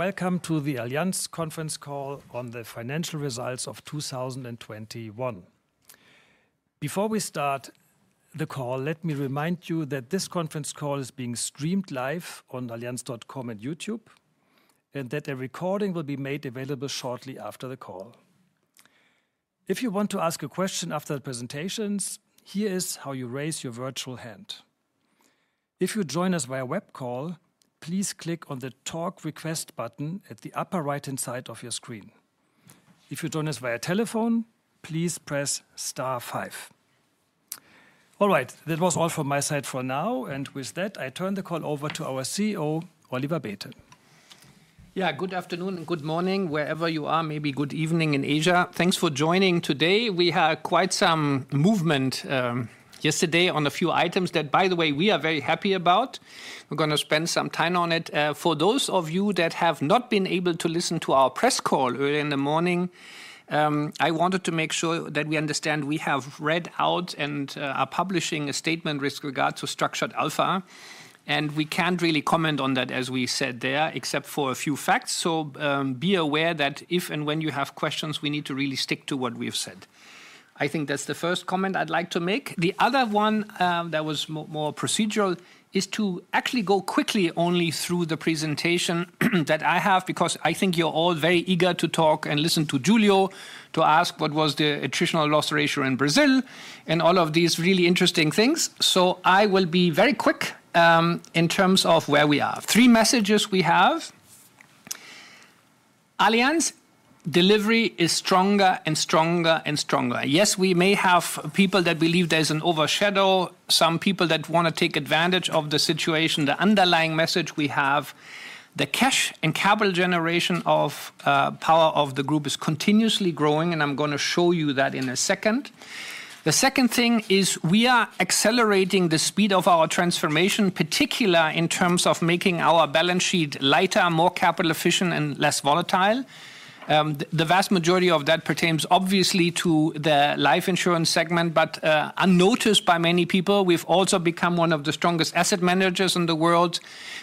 Welcome to the Allianz conference call on the financial results of 2021. Before we start the call, let me remind you that this conference call is being streamed live on allianz.com and YouTube, and that a recording will be made available shortly after the call. If you want to ask a question after the presentations, here is how you raise your virtual hand. If you join us via web call, please click on the Talk Request button, at the upper right-hand side of your screen. If you join us via telephone, please press star five. All right. That was all from my side for now, and with that, I turn the call over to our CEO, Oliver Bäte. Yeah, good afternoon and good morning, wherever you are, maybe good evening in Asia. Thanks for joining today. We had quite some movement, yesterday on a few items that, by the way, we are very happy about. We're gonna spend some time on it. For those of you that have not been able to listen to our press call early in the morning, I wanted to make sure that we understand we have read out and are publishing a statement with regard to Structured Alpha, and we can't really comment on that as we said there, except for a few facts. Be aware that if and when you have questions, we need to really stick to what we have said. I think that's the first comment I'd like to make. The other one that was more procedural is to actually go quickly only through the presentation, that I have because I think you're all very eager to talk and listen to Giulio, to ask what was the attritional loss ratio in Brazil and all of these really interesting things. I will be very quick in terms of where we are. Three messages we have. Allianz delivery is stronger and stronger and stronger. Yes, we may have people that believe there's an overshadow, some people that wanna take advantage of the situation. The underlying message we have, the cash and capital generation of power of the group is continuously growing, and I'm gonna show you that in a second. The second thing is we are accelerating the speed of our transformation, particular in terms of making our balance sheet lighter, more capital efficient and less volatile. The vast majority of that pertains obviously to the life insurance segment, but unnoticed by many people, we've also become one of the strongest asset managers in the world,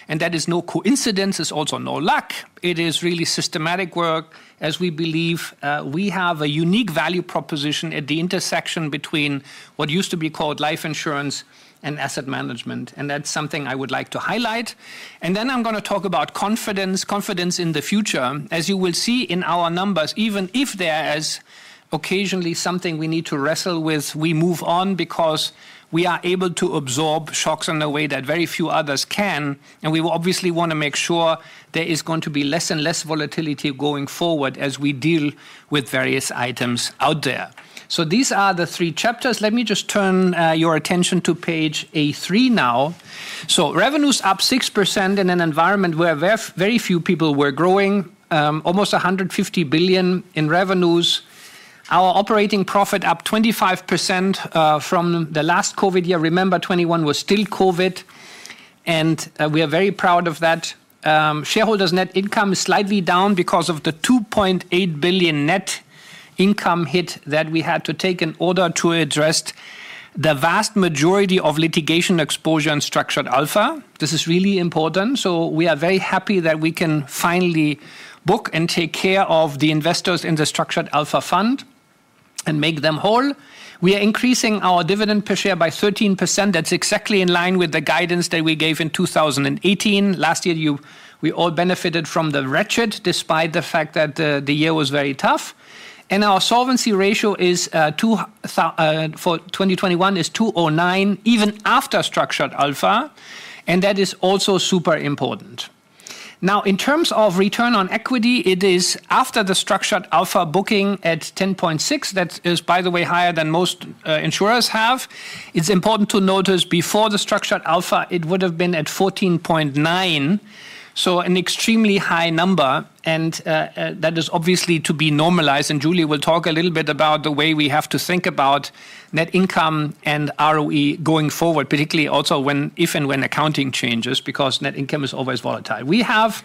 and that is no coincidence. It's also no luck. It is really systematic work, as we believe we have a unique value proposition at the intersection between what used to be called life insurance and asset management, and that's something I would like to highlight. I'm gonna talk about confidence, confidence in the future. As you will see in our numbers, even if there is occasionally something we need to wrestle with, we move on because we are able to absorb shocks in a way that very few others can, and we obviously wanna make sure, there is going to be less and less volatility going forward as we deal with various items out there. These are the three chapters. Let me just turn your attention to page A three now. Revenue's up 6% in an environment where very few people were growing, almost 150 billion in revenues. Our operating profit up 25%, from the last COVID year. Remember, 2021 was still COVID, and we are very proud of that. Shareholders' net income is slightly down because of the 2.8 billion net, income hit that we had to take in order to address the vast majority of litigation exposure and Structured Alpha. This is really important, so we are very happy that we can finally book and take care of the investors in the Structured Alpha fund, and make them whole. We are increasing our dividend per share by 13%. That's exactly in line with the guidance that we gave in 2018. Last year we all benefited from the weather despite the fact that the year was very tough. Our solvency ratio for 2021 is 209 even after Structured Alpha, and that is also super important. Now, in terms of return on equity, it is after the Structured Alpha booking at 10.6. That is, by the way, higher than most insurers have. It's important to notice before the Structured Alpha, it would have been at 14.9%, so an extremely high number, and that is obviously to be normalized, and Giulio will talk a little bit about the way we have to think about net income and ROE going forward, particularly also when, if and when accounting changes, because net income is always volatile. We have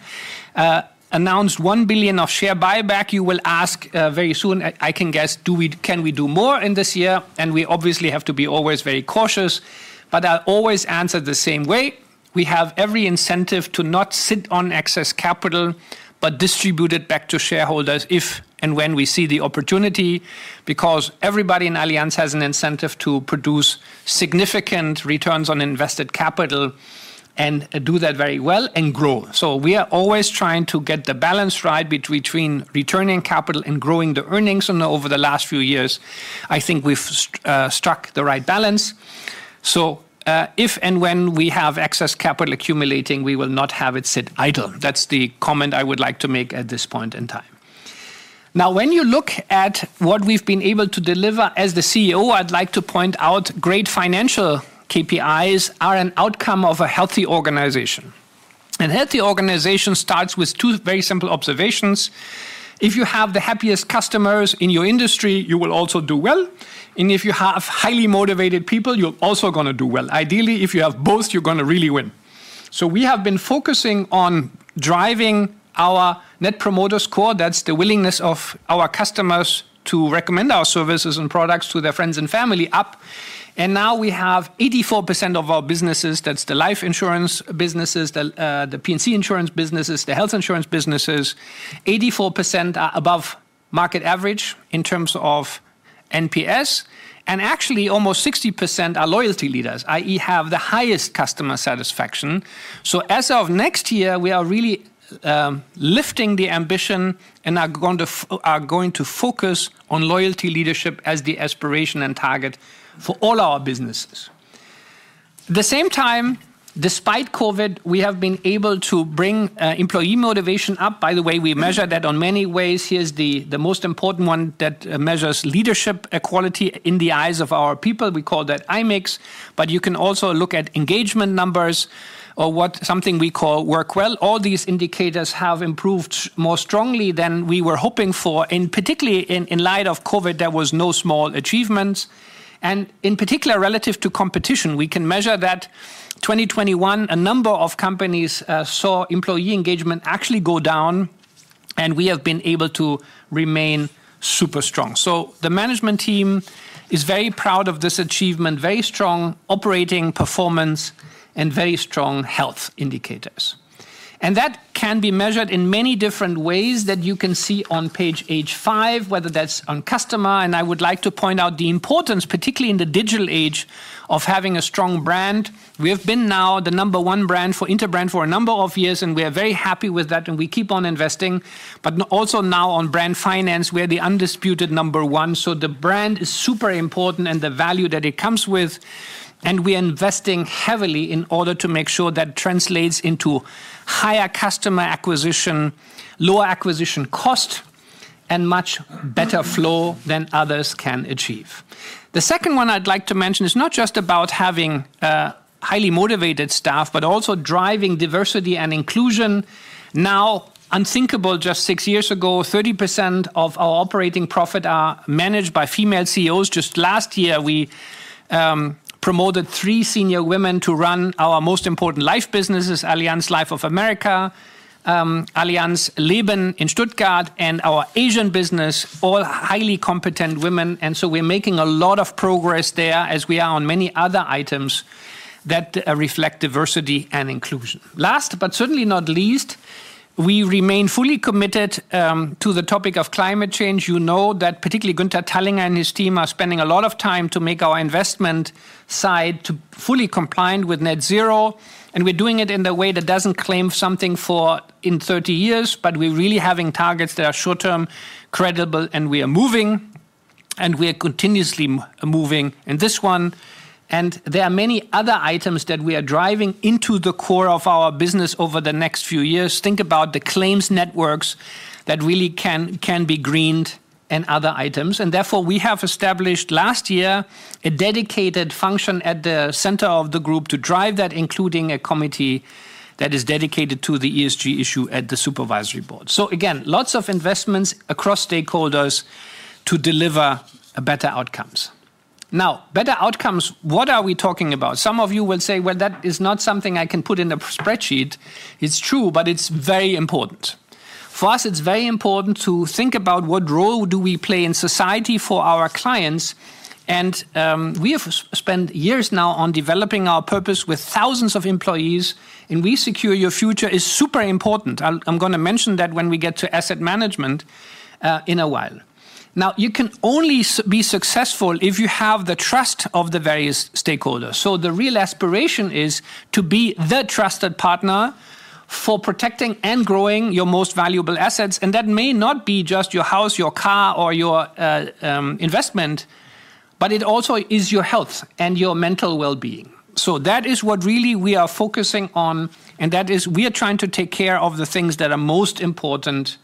announced 1 billion of share buyback. You will ask very soon, I can guess, can we do more in this year? We obviously have to be always very cautious, but I'll always answer the same way. We have every incentive to not sit on excess capital, but distribute it back to shareholders if and when we see the opportunity because everybody in Allianz has an incentive to produce significant returns on invested capital, and do that very well and grow. We are always trying to get the balance right between returning capital and growing the earnings and over the last few years, I think we've struck the right balance. If and when we have excess capital accumulating, we will not have it sit idle. That's the comment I would like to make at this point in time. Now, when you look at what we've been able to deliver as the CEO, I'd like to point out great financial KPIs are an outcome of a healthy organization. A healthy organization starts with two very simple observations. If you have the happiest customers in your industry, you will also do well. If you have highly motivated people, you're also gonna do well. Ideally, if you have both, you're gonna really win. We have been focusing on driving our Net Promoter Score, that's the willingness of our customers to recommend our services and products to their friends and family, up. Now we have 84% of our businesses, that's the life insurance businesses, the P&C insurance businesses, the health insurance businesses, 84% are above market average in terms of NPS. Actually almost 60% are loyalty leaders, i.e., have the highest customer satisfaction. As of next year, we are really lifting the ambition and are going to focus on loyalty leadership as the aspiration and target for all our businesses. the same time, despite COVID, we have been able to bring employee motivation up. By the way, we measure that in many ways. Here's the most important one that measures leadership equality in the eyes of our people. We call that IMIX. But you can also look at engagement numbers or what we call Work Well. All these indicators have improved more strongly than we were hoping for. Particularly in light of COVID, that was no small achievement. In particular, relative to competition, we can measure that. In 2021, a number of companies saw employee engagement actually go down, and we have been able to remain super strong. The management team is very proud of this achievement. Very strong operating performance and very strong health indicators. That can be measured in many different ways that you can see on page H five, whether that's on customer. I would like to point out the importance, particularly in the digital age, of having a strong brand. We have been now the number one brand for Interbrand for a number of years, and we are very happy with that and we keep on investing. But also now on Brand Finance, we are the undisputed number one. The brand is super important and the value that it comes with, and we are investing heavily in order to make sure that translates into higher customer acquisition, lower acquisition cost, and much better flow than others can achieve. The second one I'd like to mention is not just about having highly motivated staff, but also driving diversity and inclusion. Now, unthinkable just six years ago, 30% of our operating profit are managed by female CEOs. Just last year, we promoted three senior women to run our most important life businesses, Allianz Life of America, Allianz Leben in Stuttgart, and our Asian business, all highly competent women. We're making a lot of progress there as we are on many other items that reflect diversity and inclusion. Last but certainly not least, we remain fully committed to the topic of climate change. You know that particularly Günther Thallinger and his team are spending a lot of time to make our investment side to fully compliant with net zero. We're doing it in a way that doesn't claim something for in thirty years, but we're really having targets that are short-term credible, and we are moving, and we are continuously moving in this one. There are many other items that we are driving into the core of our business over the next few years. Think about the claims networks that really can be greened and other items. Therefore, we have established last year a dedicated function at the center of the group to drive that, including a committee that is dedicated to the ESG issue at the supervisory board. Again, lots of investments across stakeholders to deliver a better outcomes. Now, better outcomes, what are we talking about? Some of you will say, "Well, that is not something I can put in a spreadsheet." It's true, but it's very important. For us, it's very important to think about what role do we play in society for our clients. We have spent years now on developing our purpose with thousands of employees, and We Secure Your Future is super important. I'm gonna mention that when we get to asset management in a while. Now, you can only be successful if you have the trust of the various stakeholders. The real aspiration is, to be the trusted partner for protecting and growing your most valuable assets. That may not be just your house, your car, or your investment, but it also is your health and your mental wellbeing. That is what really we are focusing on, and that is we are trying to take care of the things that are most important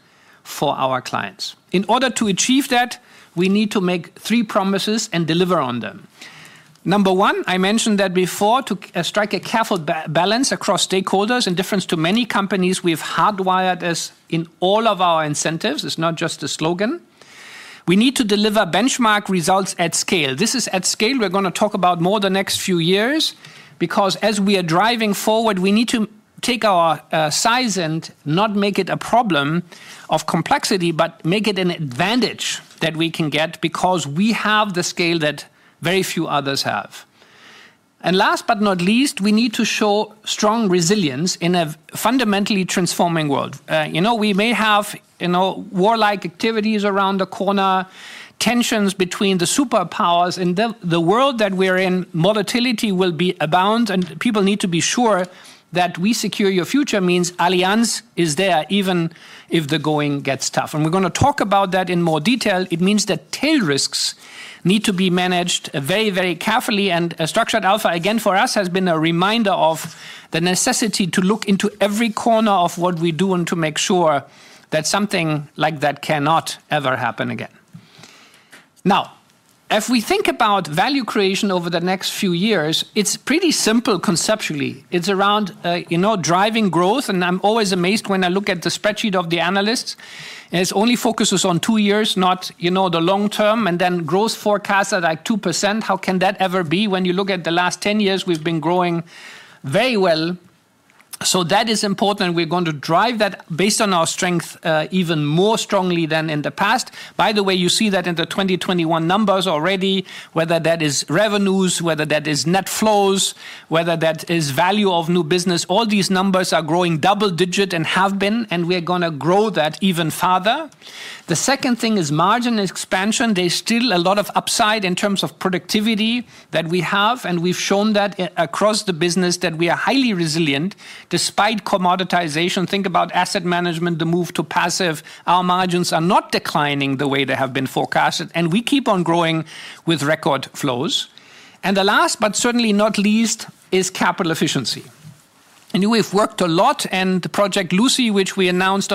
for our clients. In order to achieve that, we need to make three promises and deliver on them. Number one, I mentioned that before, to strike a careful balance across stakeholders. In difference to many companies, we've hardwired this in all of our incentives. It's not just a slogan. We need to deliver benchmark results at scale. This is at scale we're gonna talk about more the next few years because as we are driving forward, we need to take our size and not make it a problem of complexity, but make it an advantage that we can get because we have the scale that very few others have. Last but not least, we need to show strong resilience in a fundamentally transforming world. You know, we may have, you know, warlike activities around the corner, tensions between the superpowers. In the world that we're in, volatility will be abundant, and people need to be sure that We Secure Your Future means Allianz is there even if the going gets tough. We're gonna talk about that in more detail. It means that tail risks need to be managed very, very carefully. Structured Alpha, again, for us, has been a reminder of the necessity to look into every corner of what we do and to make sure that something like that cannot ever happen again. Now, if we think about value creation over the next few years, it's pretty simple conceptually. It's around driving growth, and I'm always amazed when I look at the spreadsheet of the analysts, and it only focuses on two years, not, you know, the long term, and then growth forecast at, like, 2%. How can that ever be when you look at the last 10 years we've been growing very well. That is important. We're going to drive that based on our strength, even more strongly than in the past. By the way, you see that in the 2021 numbers already, whether that is revenues, whether that is net flows, whether that is value of new business, all these numbers are growing double-digit and have been, and we're gonna grow that even farther. The second thing is margin expansion. There's still a lot of upside in terms of productivity that we have, and we've shown that across the business that we are highly resilient despite commoditization. Think about asset management, the move to passive. Our margins are not declining the way they have been forecasted, and we keep on growing with record flows. The last but certainly not least is capital efficiency. I know we've worked a lot, and Project Lucy, which we announced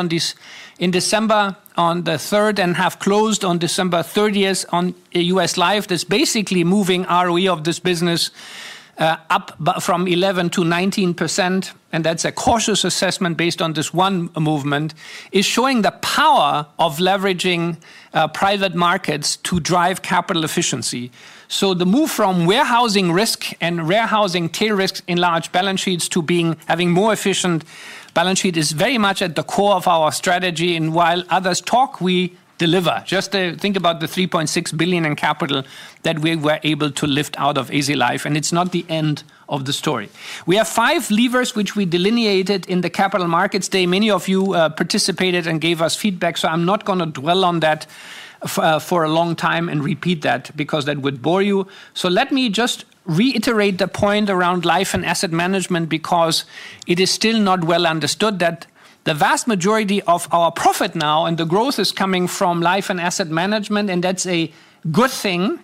in December on the 3rd and have closed on December 30th on U.S. Life, that's basically moving ROE of this business up from 11% to 19%, and that's a cautious assessment based on this one movement, is showing the power of leveraging private markets to drive capital efficiency. The move from warehousing risk and re-housing tail risks in large balance sheets to having more efficient balance sheet is very much at the core of our strategy. While others talk, we deliver. Just to think about the $3.6 billion in capital that we were able to lift out of Allianz Life, and it's not the end of the story. We have five levers which we delineated in the Capital Markets Day. Many of you participated and gave us feedback, so I'm not gonna dwell on that for a long time and repeat that because that would bore you. Let me just, reiterate the point around life and asset management because it is still not well understood that the vast majority of our profit now and the growth is coming from life and asset management, and that's a good thing.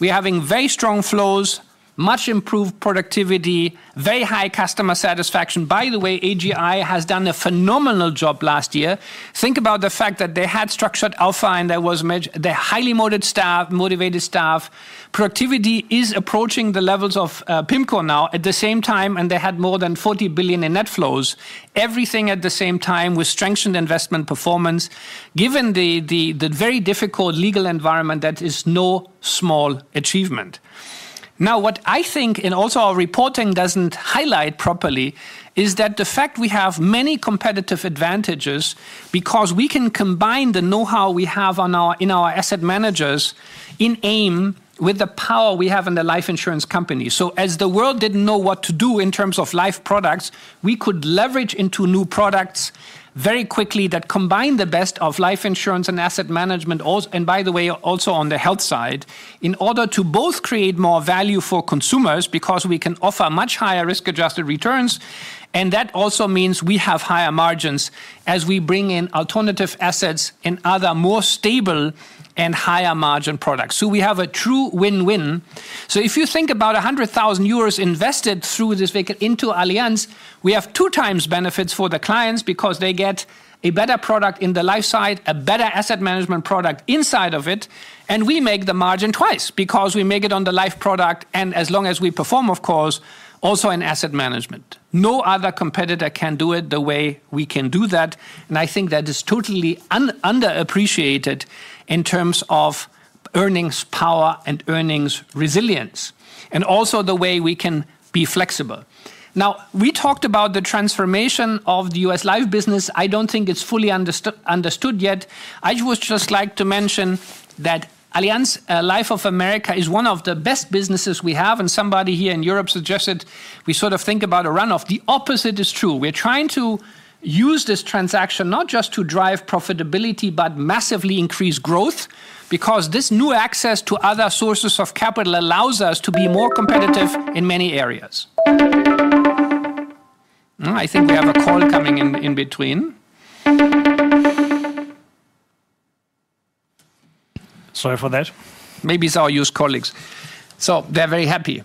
We're having very strong flows, much improved productivity, very high customer satisfaction. By the way, AGI has done a phenomenal job last year. Think about the fact that they had Structured Alpha, and there was the highly motivated staff. Productivity is approaching the levels of PIMCO now at the same time, and they had more than 40 billion in net flows. Everything at the same time with strengthened investment performance. Given the very difficult legal environment, that is no small achievement. Now, what I think and also our reporting doesn't highlight properly is that the fact we have many competitive advantages, because we can combine the know-how we have in our asset managers in AIM with the power we have in the life insurance company. As the world didn't know what to do in terms of life products, we could leverage into new products very quickly that combine the best of life insurance and asset management and by the way, also on the health side, in order to both create more value for consumers because we can offer much higher risk-adjusted returns, and that also means we have higher margins as we bring in alternative assets in other more stable and higher margin products. We have a true win-win. If you think about 100,000 euros invested through this vehicle into Allianz, we have two times benefits for the clients because they get a better product in the life side, a better asset management product inside of it, and we make the margin twice because we make it on the life product and as long as we perform, of course, also in asset management. No other competitor can do it the way we can do that, and I think that is totally underappreciated in terms of earnings power and earnings resilience, and also the way we can be flexible. Now, we talked about the transformation of the U.S. Life business. I don't think it's fully understood yet. I just like to mention that Allianz Life of America is one of the best businesses we have, and somebody here in Europe suggested we sort of think about a run-off. The opposite is true. We're trying to use this transaction not just to drive profitability, but massively increase growth, because this new access to other sources of capital allows us to be more competitive in many areas. I think we have a call coming in between. Sorry for that. Maybe it's our U.S. colleagues. They're very happy.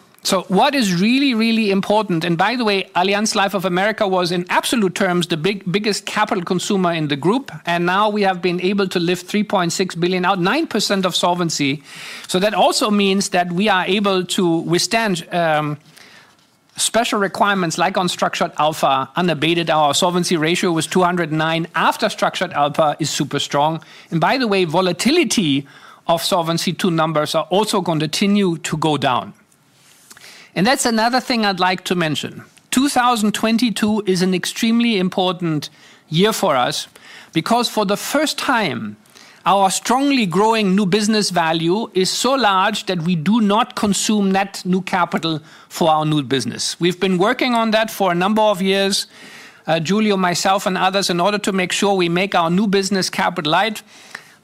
What is really, really important, and by the way, Allianz Life of America was in absolute terms, the biggest capital consumer in the group, and now we have been able to lift 3.6 billion out, 9% of solvency. That also means that we are able to withstand, special requirements like on Structured Alpha unabated. Our solvency ratio was 209. After Structured Alpha is super strong. By the way, volatility of Solvency II numbers are also going to continue to go down. That's another thing I'd like to mention. 2022, is an extremely important year for us because for the first time, our strongly growing new business value is so large that we do not consume net new capital for our new business. We've been working on that for a number of years, Giulio, myself, and others in order to make sure we make our new business capital light.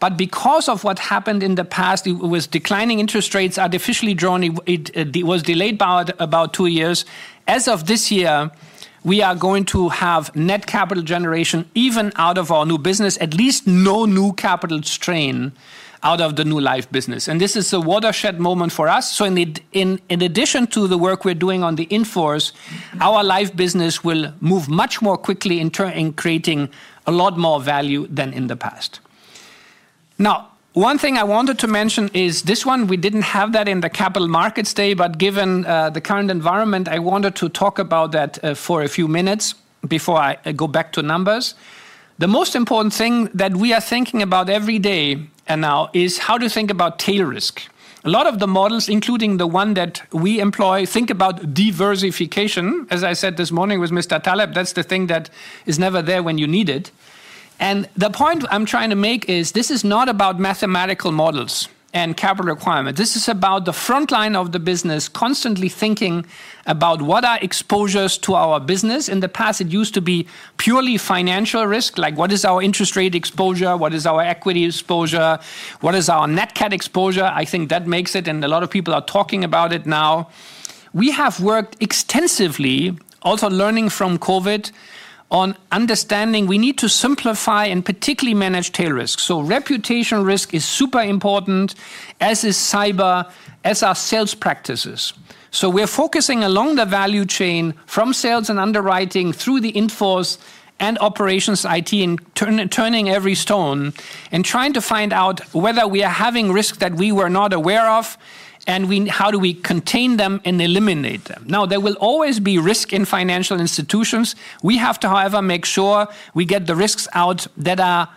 Because of what happened in the past, it was declining interest rates artificially low, was delayed about two years. As of this year, we are going to have net capital generation even out of our new business, at least no new capital strain out of the new life business. This is a watershed moment for us. In addition to the work we're doing on the in-force, our life business will move much more quickly in creating a lot more value than in the past. Now, one thing I wanted to mention is this one. We didn't have that in the Capital Markets Day, but given the current environment, I wanted to talk about that for a few minutes before I go back to numbers. The most important thing that we are thinking about every day and now is how to think about tail risk. A lot of the models, including the one that we employ, think about diversification. As I said this morning with Mr. Taleb, that's the thing that is never there when you need it. The point I'm trying to make is this is not about mathematical models, and capital requirements. This is about the front line of the business constantly thinking about what are exposures to our business. In the past, it used to be purely financial risk. Like what is our interest rate exposure? What is our equity exposure? What is our net cat exposure? I think that makes it, and a lot of people are talking about it now. We have worked extensively, also learning from COVID, on understanding we need to simplify and particularly manage tail risk. Reputation risk is super important, as is cyber, as are sales practices. We're focusing along the value chain from sales and underwriting through the in-force and operations IT and turning every stone and trying to find out whether we are having risk that we were not aware of, and we how do we contain them and eliminate them? Now, there will always be risk in financial institutions. We have to, however, make sure we get the risks out that are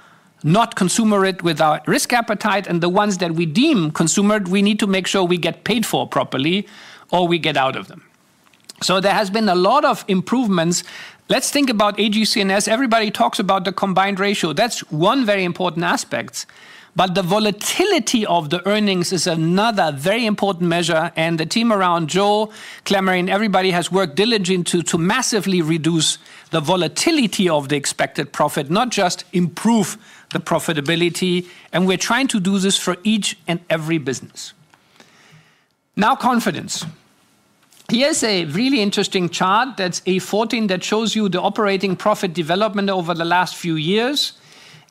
not consistent with our risk appetite and the ones that we deem consistent, we need to make sure we get paid for properly or we get out of them. There has been a lot of improvements. Let's think about AGCS. Everybody talks about the combined ratio. That's one very important aspect. The volatility of the earnings is another very important measure. The team around Joe, Clement, everybody has worked diligently to massively reduce the volatility of the expected profit, not just improve the profitability. We're trying to do this for each and every business. Now, confidence. Here's a really interesting chart that's A 14 that shows you the operating profit development over the last few years.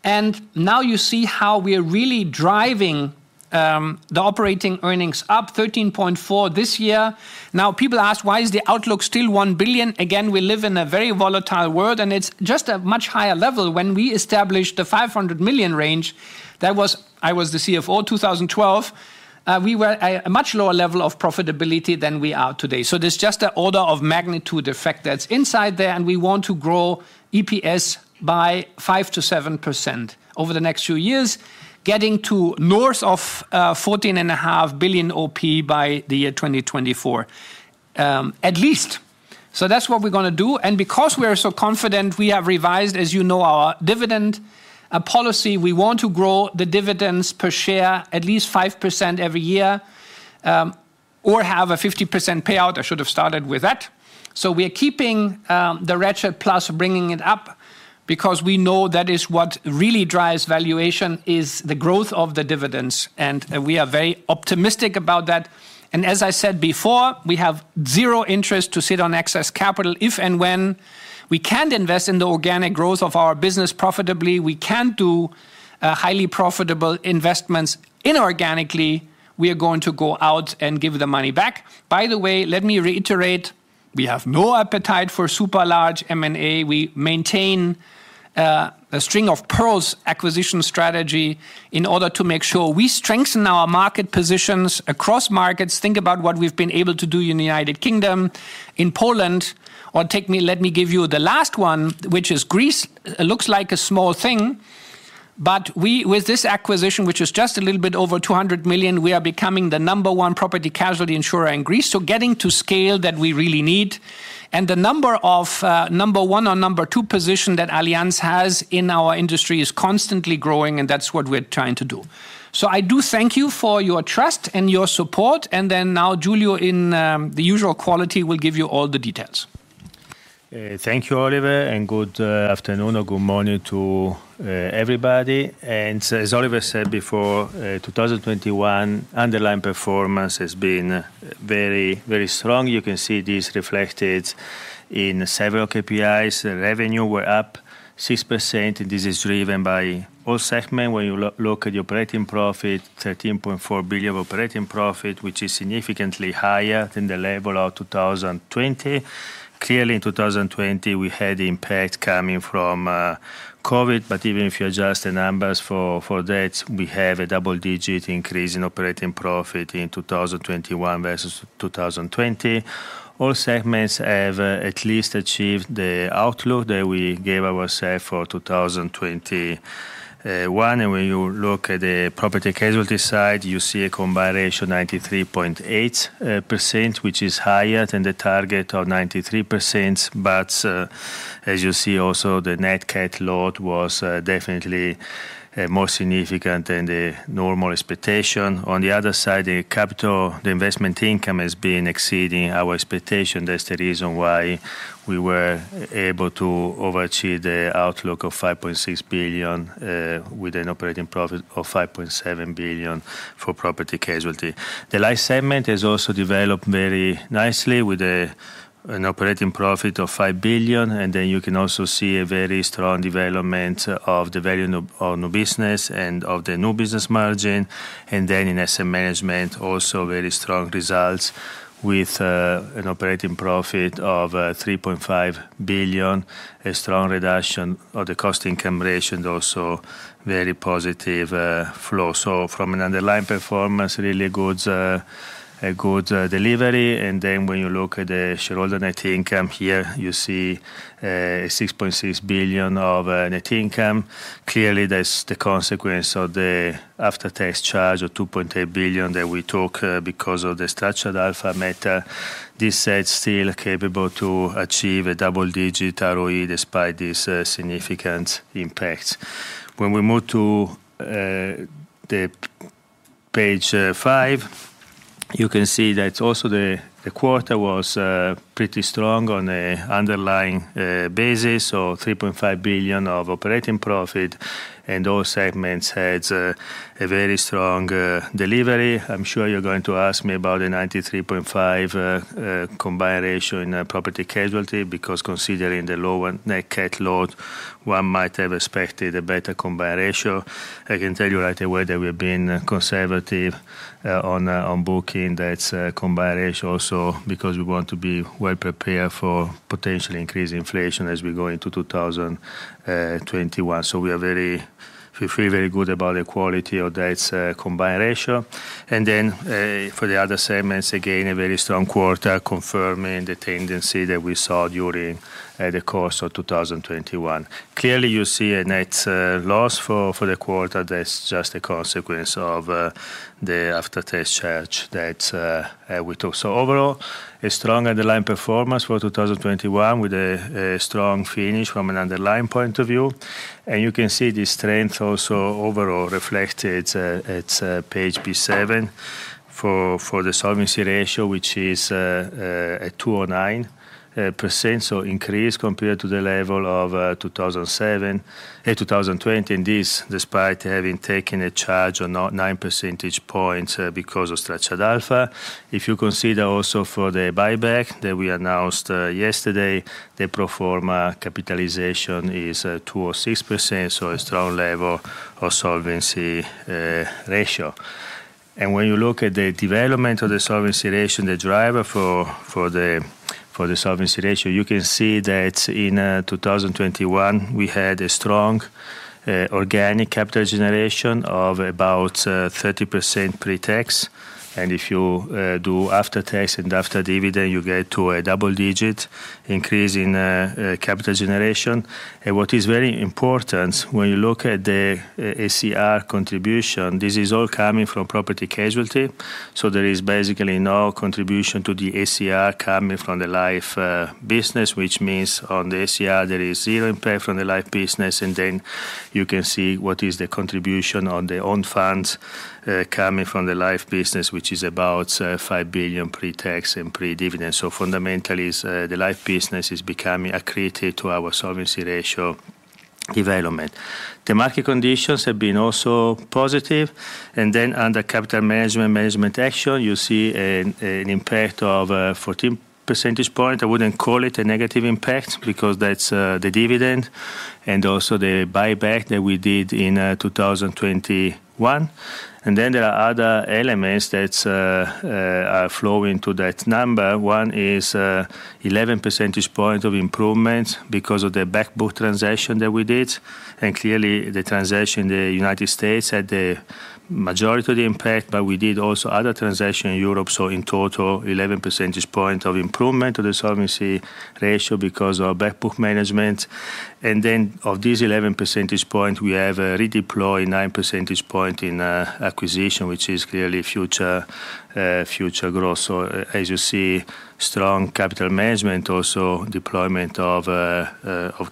Now you see how we are really driving the operating earnings up 13.4 billion this year. Now people ask, "Why is the outlook still 1 billion?" Again, we live in a very volatile world, and it's just a much higher level. When we established the 500 million range, that was I was the CFO, 2012, we were at a much lower level of profitability than we are today. So there's just an order of magnitude effect that's inside there, and we want to grow EPS by 5%-7%, over the next few years, getting to north of 14.5 billion OP by the year 2024, at least. So that's what we're gonna do. Because we are so confident, we have revised, as you know, our dividend policy. We want to grow the dividends per share at least 5% every year, or have a 50% payout. I should have started with that. We are keeping the ratchet plus bringing it up because we know that is what really drives valuation is the growth of the dividends, and we are very optimistic about that. As I said before, we have zero interest to sit on excess capital. If and when we can't invest in the organic growth of our business profitably, we can't do highly profitable investments inorganically, we are going to go out and give the money back. By the way, let me reiterate, we have no appetite for super large M&A. We maintain a string of pearls acquisition strategy in order to make sure we strengthen our market positions across markets. Think about what we've been able to do in the United Kingdom, in Poland, or let me give you the last one, which is Greece. It looks like a small thing, but with this acquisition, which is just a little bit over 200 million, we are becoming the number one Property & Casualty insurer in Greece, getting to scale that we really need. The number of number one or number two position that Allianz has in our industry is constantly growing, and that's what we're trying to do. I do thank you for your trust and your support. Then now Giulio in the usual quality will give you all the details. Thank you, Oliver, and good afternoon or good morning to everybody. As Oliver said before, 2021, underlying performance has been very, very strong. You can see this reflected in several KPIs. Revenue was up 6%, and this is driven by all segments. When you look at the operating profit, 13.4 billion operating profit, which is significantly higher than the level of 2020. Clearly in 2020, we had impact coming from COVID. But even if you adjust the numbers for that, we have a double-digit increase in operating profit in 2021 versus 2020. All segments have at least achieved the outlook that we gave ourselves for 2021. When you look at the property casualty side, you see a combined ratio 93.8%, which is higher than the target of 93%. As you see also, the net cat load was definitely more significant than the normal expectation. On the other side, the capital, the investment income has been exceeding our expectation. That's the reason why, we were able to overachieve the outlook of 5.6 billion with an operating profit of 5.7 billion for property casualty. The life segment has also developed very nicely with an operating profit of 5 billion. You can also see a very strong development of the value of new business and of the new business margin. Then in asset management, also very strong results with an operating profit of 3.5 billion, a strong reduction of the cost-income ratio and also very positive flow. From an underlying performance, really good, a good delivery. Then when you look at the shareholder net income here, you see six point six billion of net income. Clearly, that's the consequence of the after-tax charge of 2.8 billion that we took because of the Structured Alpha matter. That said, still capable to achieve a double-digit ROE despite this significant impact. When we move to the page five, you can see that also the quarter was pretty strong on an underlying basis, so 3.5 billion of operating profit and all segments had a very strong delivery. I'm sure you're going to ask me about the 93.5%, combined ratio in property casualty because considering the lower net cat load, one might have expected a better combined ratio. I can tell you right away that we have been conservative on booking that combined ratio also because we want to be well prepared for potentially increased inflation as we go into 2021. We feel very good about the quality of that combined ratio. Then, for the other segments, again, a very strong quarter confirming the tendency that we saw during the course of 2021. Clearly you see a net loss for the quarter. That's just a consequence of the after-tax charge that we took. Overall, a strong underlying performance for 2021, with a strong finish from an underlying point of view. You can see the strength also overall reflected at page P seven for the solvency ratio, which is at 209%, so increase compared to the level of 207% in 2020, and this despite having taken a charge of nine percentage points because of Structured Alpha. If you consider also for the buyback, that we announced yesterday, the pro forma capitalization is 206%, so a strong level of solvency ratio. When you look at the development of the solvency ratio, the driver for the solvency ratio, you can see that in 2021, we had a strong organic capital generation of about 30% pre-tax. If you do after-tax and after dividend, you get to a double-digit increase in capital generation. What is very important when you look at the ACR contribution, this is all coming from Property & Casualty, so there is basically no contribution to the ACR coming from the life business, which means on the ACR there is zero impact from the life business, and then you can see what is the contribution on the own funds, coming from the life business, which is about 5 billion pre-tax and pre-dividend. Fundamentally, the life business is becoming accretive to our solvency ratio development. The market conditions have been also positive. Then under capital management action, you see an impact of 14 percentage points. I wouldn't call it a negative impact because that's the dividend and also the buyback that we did in 2021. Then there are other elements that are flowing to that number. One is 11 percentage points of improvement because of the back book transaction that we did, and clearly the transaction in the United States had the majority of the impact, but we did also other transactions in Europe, so in total 11 percentage points of improvement to the solvency ratio because of back book management. Of this 11 percentage point, we have redeployed nine percentage point in acquisition, which is clearly future growth. As you see, strong capital management, also deployment of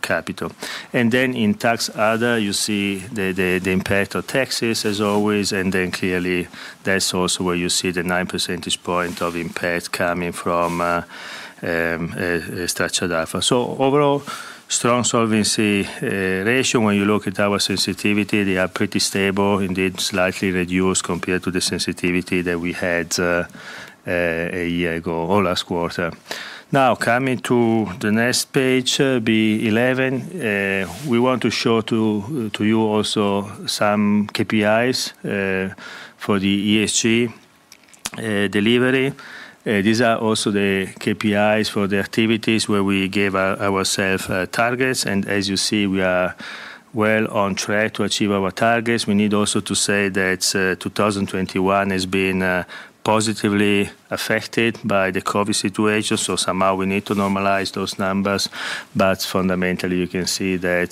capital. In tax other, you see the impact of taxes as always, and then clearly, that's also where you see the nine percentage point of impact coming from, Structured Alpha. Overall, strong solvency ratio. When you look at our sensitivities, they are pretty stable, indeed slightly reduced compared to the sensitivities that we had a year ago or last quarter. Now, coming to the next page, B11, we want to show to you also some KPIs for the ESG delivery. These are also the KPIs for the activities where we gave ourselves targets, and as you see, we are well on track to achieve our targets. We need also to say that, 2021 has been positively affected by the COVID situation, so somehow we need to normalize those numbers. Fundamentally, you can see that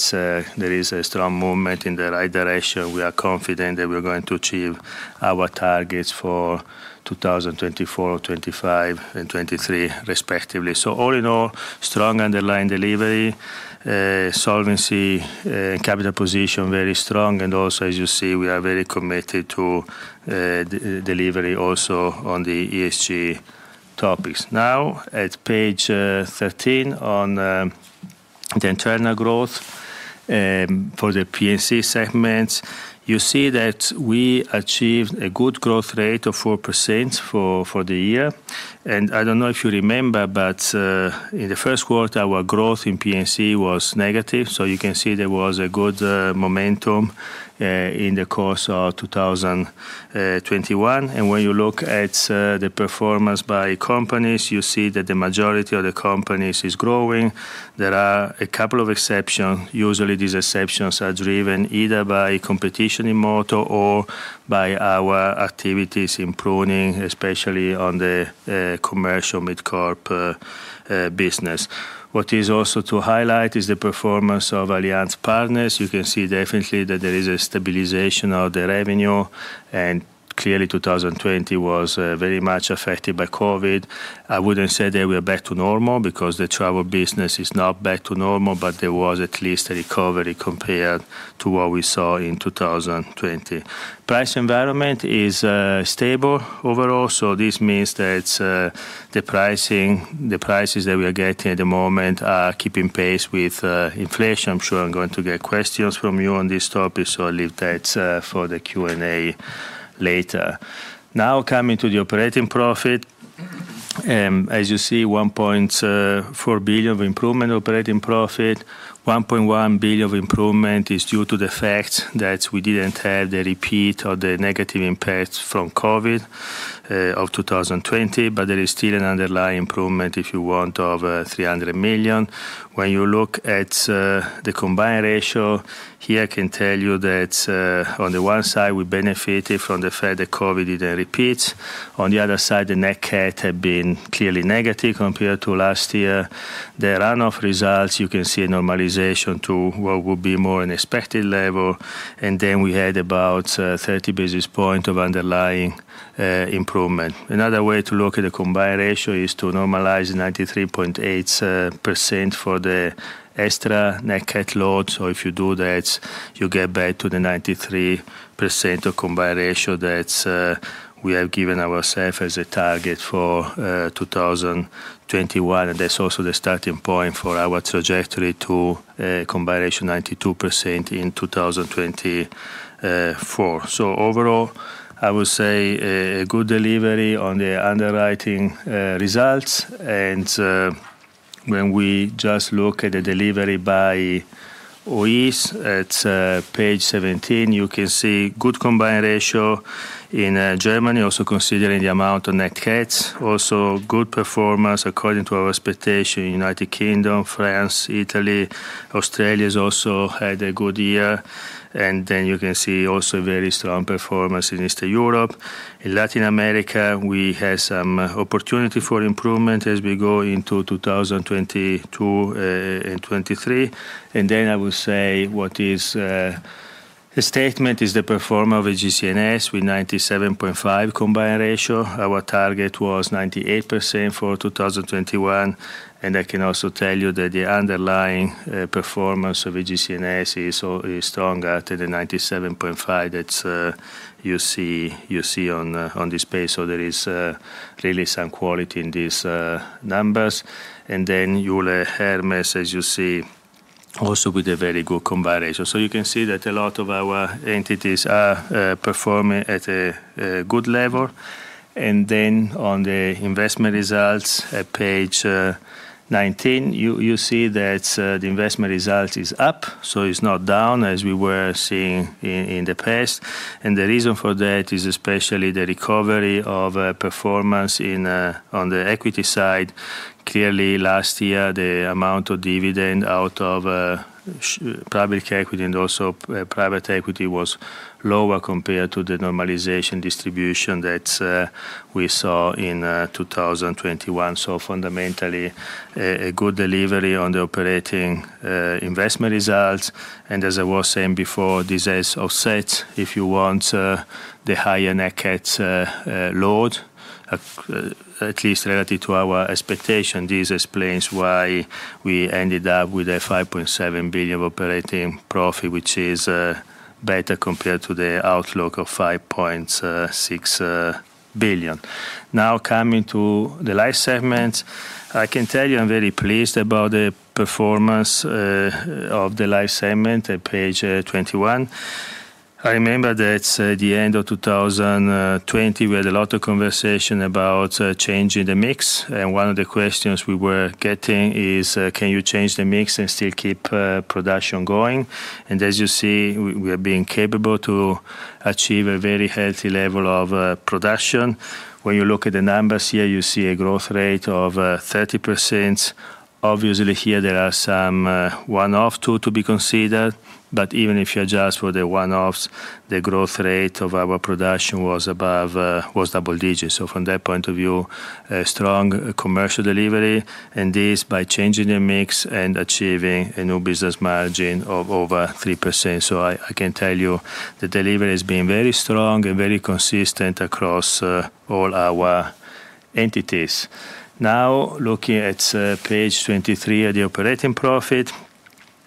there is a strong movement in the right direction. We are confident that we're going to achieve our targets for 2024, 25, and 23 respectively. All in all, strong underlying delivery. Solvency capital position very strong. Also, as you see, we are very committed to delivery also on the ESG topics. Now at page 13 on the internal growth, for the P&C segments, you see that we achieved a good growth rate of 4% for the year. I don't know if you remember, but in the first quarter, our growth in P&C was negative, so you can see there was a good momentum in the course of 2021. When you look at the performance by companies, you see that the majority of the companies is growing. There are a couple of exceptions. Usually, these exceptions are driven either by competition in motor or by our activities in pruning, especially on the commercial MidCorp business. What is also to highlight is the performance of Allianz Partners. You can see definitely that there is a stabilization of the revenue. Clearly, 2020, was very much affected by COVID. I wouldn't say that we are back to normal because the travel business is not back to normal, but there was at least a recovery compared to what we saw in 2020. Price environment is stable overall, so this means that the pricing, the prices that we are getting at the moment are keeping pace with inflation. I'm sure I'm going to get questions from you on this topic, so I'll leave that for the Q&A later. Now coming to the operating profit. As you see, 1.4 billion of improvement in operating profit. 1.1 billion of improvement is due to the fact that we didn't have the repeat of the negative impacts from COVID of 2020, but there is still an underlying improvement, if you want, of 300 million. When you look at the combined ratio, here I can tell you that on the one side we benefited from the fact that COVID didn't repeat. On the other side, the net cat have been clearly negative compared to last year. The run-off results, you can see a normalization to what would be more an expected level. Then we had about 30 basis points of underlying improvement. Another way to look at the combined ratio is to normalize the 93.8% for the extra net cat load. If you do that, you get back to the 93% combined ratio that we have given ourselves as a target for 2021, and that's also the starting point for our trajectory to combined ratio 92% in 2024. Overall, I would say a good delivery on the underwriting results and when we just look at the delivery by OEs at page 17, you can see good combined ratio in Germany, also considering the amount of net cats. Also good performance according to our expectation in United Kingdom, France, Italy. Australia's also had a good year. Then you can see also very strong performance in Eastern Europe. In Latin America, we have some opportunity for improvement as we go into 2022 and 2023. I will say what a statement is the performance of AGCS with 97.5 combined ratio. Our target was 98% for 2021, and I can also tell you that the underlying performance of AGCS is stronger than the 97.5 that you see on this page. There is clearly some quality in these numbers. Euler Hermes, as you see, also with a very good combined ratio. You can see that a lot of our entities are performing at a good level. On the investment results at page 19, you see that the investment result is up, so it's not down as we were seeing in the past. The reason for that is especially the recovery of performance in on the equity side. Clearly last year, the amount of dividend out of public equity and also private equity was lower, compared to the normalization distribution that we saw in 2021. Fundamentally a good delivery on the operating investment results. As I was saying before, this has offset, if you want, the higher net cat load at least relative to our expectation. This explains why we ended up with a 5.7 billion operating profit, which is better compared to the outlook of 5.6 billion. Now coming to the life segment. I can tell you I'm very pleased about the performance of the life segment at page 21. I remember that, the end of 2020, we had a lot of conversation about changing the mix, and one of the questions we were getting is, can you change the mix and still keep production going? As you see, we are being capable to achieve a very healthy level of production. When you look at the numbers here, you see a growth rate of 30%. Obviously here there are some one-offs to be considered. Even if you adjust for the one-offs, the growth rate of our production was double digits. From that point of view, a strong commercial delivery, and this by changing the mix and achieving a new business margin of over 3%. I can tell you the delivery has been very strong and very consistent across all our entities. Now looking at page 23 at the operating profit,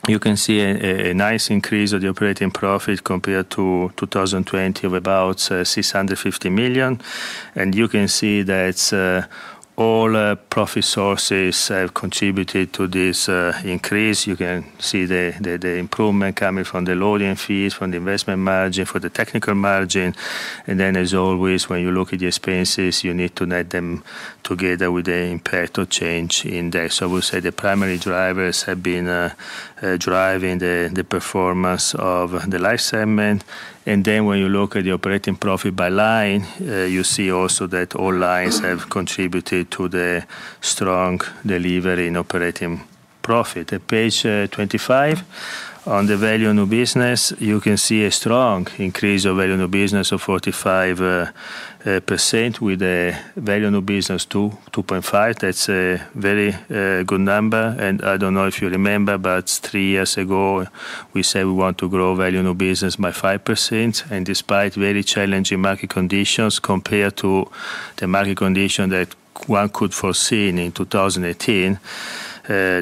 you can see a nice increase of the operating profit compared to 2020 of about 650 million. You can see that all profit sources have contributed to this increase. You can see the improvement coming from the loading fees, from the investment margin, for the technical margin. As always, when you look at the expenses, you need to net them together with the impact of change in there. I will say the primary drivers have been driving the performance of the life segment. When you look at the operating profit by line, you see also that all lines have contributed to the strong delivery in operating profit. At page 25 on the value of new business, you can see a strong increase of value of new business of 45%, with a value of new business 2.5. That's a very good number. I don't know if you remember, but three years ago, we said we want to grow value of new business by 5%. Despite very challenging market conditions compared to the market condition that one could foresee in 2018,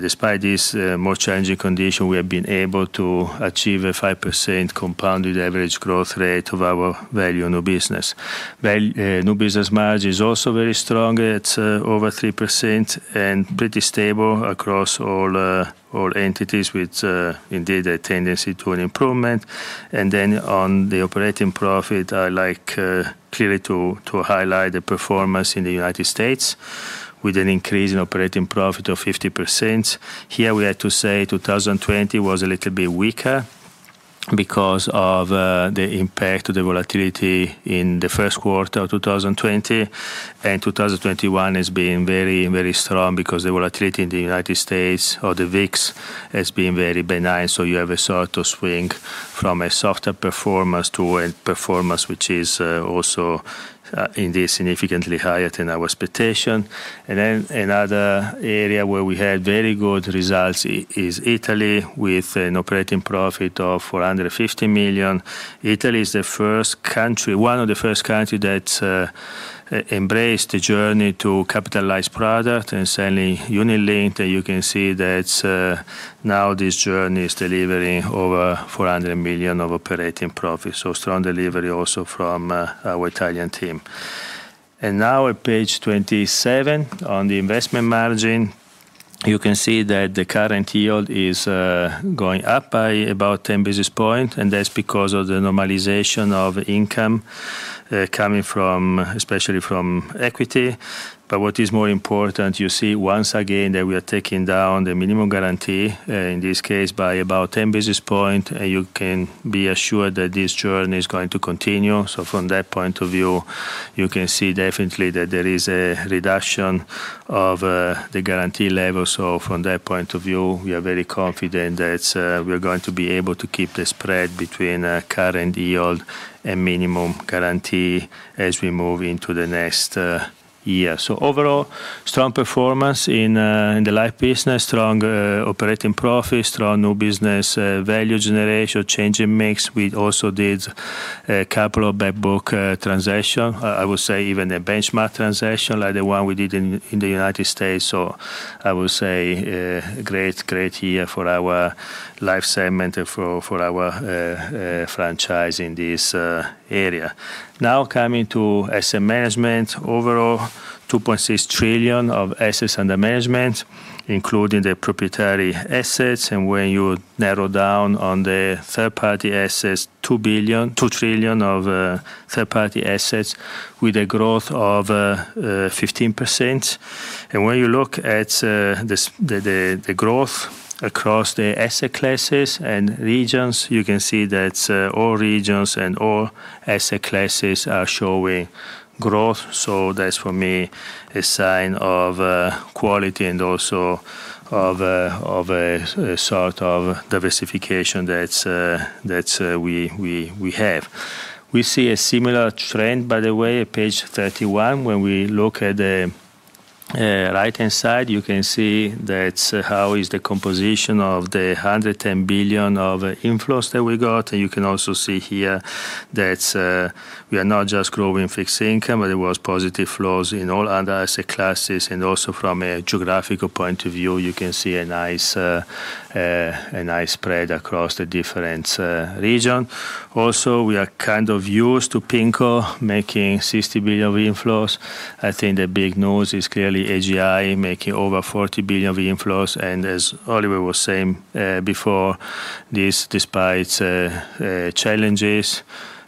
despite this more challenging condition, we have been able to achieve a 5% compounded average growth rate of our value of new business. Value of new business margin is also very strong. It's over 3%, and pretty stable across all entities with indeed a tendency to an improvement. Then on the operating profit, I like clearly to highlight the performance in the United States, with an increase in operating profit of 50%. Here we have to say 2020 was a little bit weaker, because of the impact of the volatility in the first quarter of 2020. 2021 is being very strong because the volatility in the United States or the VIX has been very benign. You have a sort of swing from a softer performance to a performance which is also indeed significantly higher than our expectation. Another area where we had very good results is Italy with an operating profit of 450 million. Italy is the first country, one of the first countries that embrace the journey to capital-efficient products and selling unit-linked. You can see that now this journey is delivering over 400 million of operating profit. Strong delivery also from our Italian team. Now at page 27, on the investment margin, you can see that the current yield is going up by about 10 basis points, and that's because of the normalization of income coming from, especially from equity. What is more important, you see once again that we are taking down the minimum guarantee in this case by about 10 basis points. You can be assured that this journey is going to continue. From that point of view, you can see definitely that there is a reduction of the guarantee level. From that point of view, we are very confident that we are going to be able to keep the spread between current yield and minimum guarantee as we move into the next year. Overall, strong performance in the Life business, strong operating profit, strong new business value generation, changing mix. We also did a couple of back book transaction. I would say even a benchmark transaction like the one we did in the United States. I would say great year for our Life segment and for our franchise in this area. Now coming to asset management. Overall, 2.6 trillion of assets under management, including the proprietary assets. When you narrow down on the third party assets, 2 trillion of third party assets with a growth of 15%. When you look at the growth across the asset classes and regions, you can see that all regions and all asset classes are showing growth. That's for me a sign of quality and also of a sort of diversification that we have. We see a similar trend, by the way, at page 31. When we look at the right-hand side, you can see that's how is the composition of the 110 billion of inflows that we got. You can also see here that we are not just growing fixed income, but there was positive flows in all other asset classes. Also from a geographical point of view, you can see a nice spread across the different regions. Also we are kind of used to PIMCO making 60 billion of inflows. I think the big news is clearly AGI making over 40 billion of inflows. As Oliver was saying, before this, despite challenges,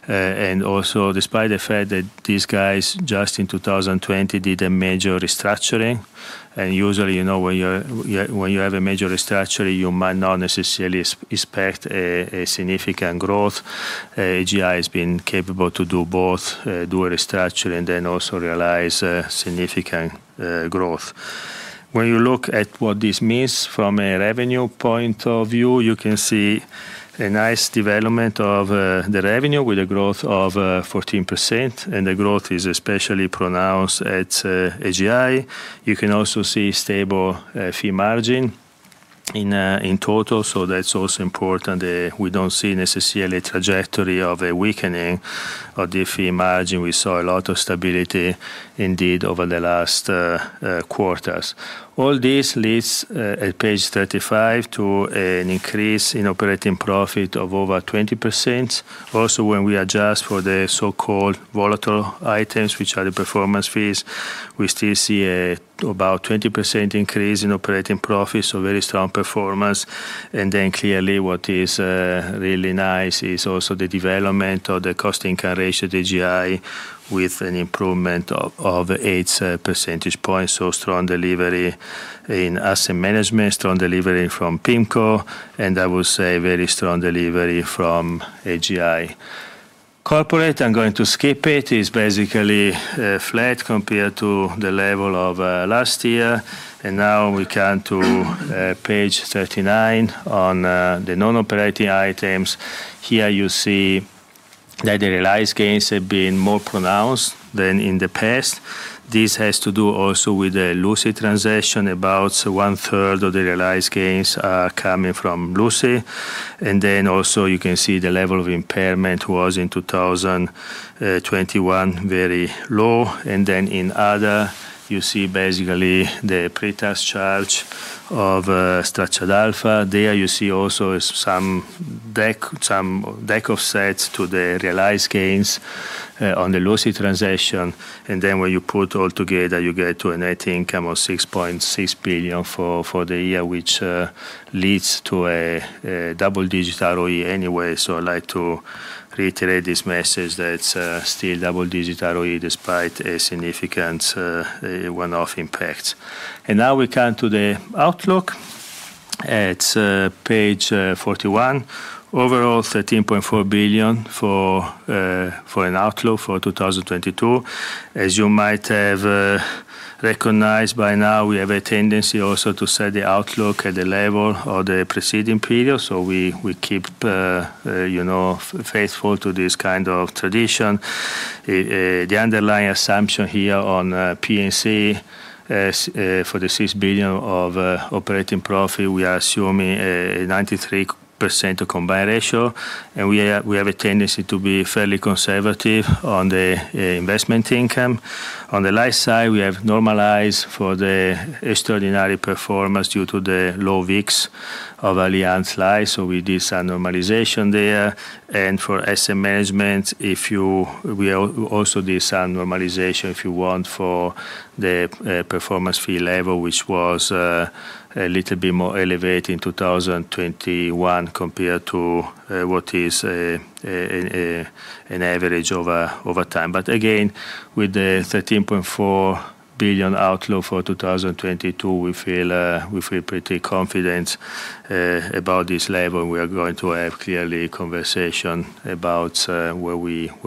and also despite the fact that these guys just in 2020 did a major restructuring, and usually, you know, when you have a major restructuring, you might not necessarily expect a significant growth. AGI has been capable to do both, do a restructure and then also realize significant growth. When you look at what this means from a revenue point of view, you can see a nice development of the revenue with a growth of 14%, and the growth is especially pronounced at AGI. You can also see stable fee margin in total. That's also important. We don't see necessarily trajectory of a weakening of the fee margin. We saw a lot of stability indeed over the last quarters. All this leads at page 35, to an increase in operating profit of over 20%. Also, when we adjust for the so-called volatile items, which are the performance fees, we still see about 20% increase in operating profit, so very strong performance. Clearly what is really nice is also the development of the cost-income ratio at AGI with an improvement of 8 percentage points. Strong delivery in asset management, strong delivery from PIMCO, and I would say very strong delivery from AGI. Corporate, I'm going to skip it. It's basically flat compared to the level of last year. Now we come to page 39, on the non-operating items. Here you see that the realized gains have been more pronounced than in the past. This has to do also with the Lucy transition. About one-third of the realized gains are coming from Lucy. Also you can see the level of impairment was in 2021, very low. In other, you see basically the pre-tax charge of structured alpha. There you see also some DAC, some DAC offsets to the realized gains on the Lucy transition. Then when you put all together, you get to a net income of 6.6 billion for the year, which leads to a double-digit ROE anyway. I'd like to reiterate this message that it's still double-digit ROE despite a significant one-off impact. Now we come to the outlook. It's page 41. Overall, 13.4 billion for an outlook for 2022. As you might have recognized by now, we have a tendency also to set the outlook at the level of the preceding period. We keep you know faithful to this kind of tradition. The underlying assumption here on P&C for the 6 billion of operating profit, we are assuming a 93% combined ratio. We have a tendency to be fairly conservative on the investment income. On the life side, we have normalized for the extraordinary performance due to the low VIX of Allianz Life, so we did some normalization there. For asset management, we also did some normalization, if you want, for the performance fee level, which was a little bit more elevated in 2021 compared to what is an average over time. With the 13.4 billion outlook for 2022, we feel pretty confident about this level. We are going to have a clear conversation about where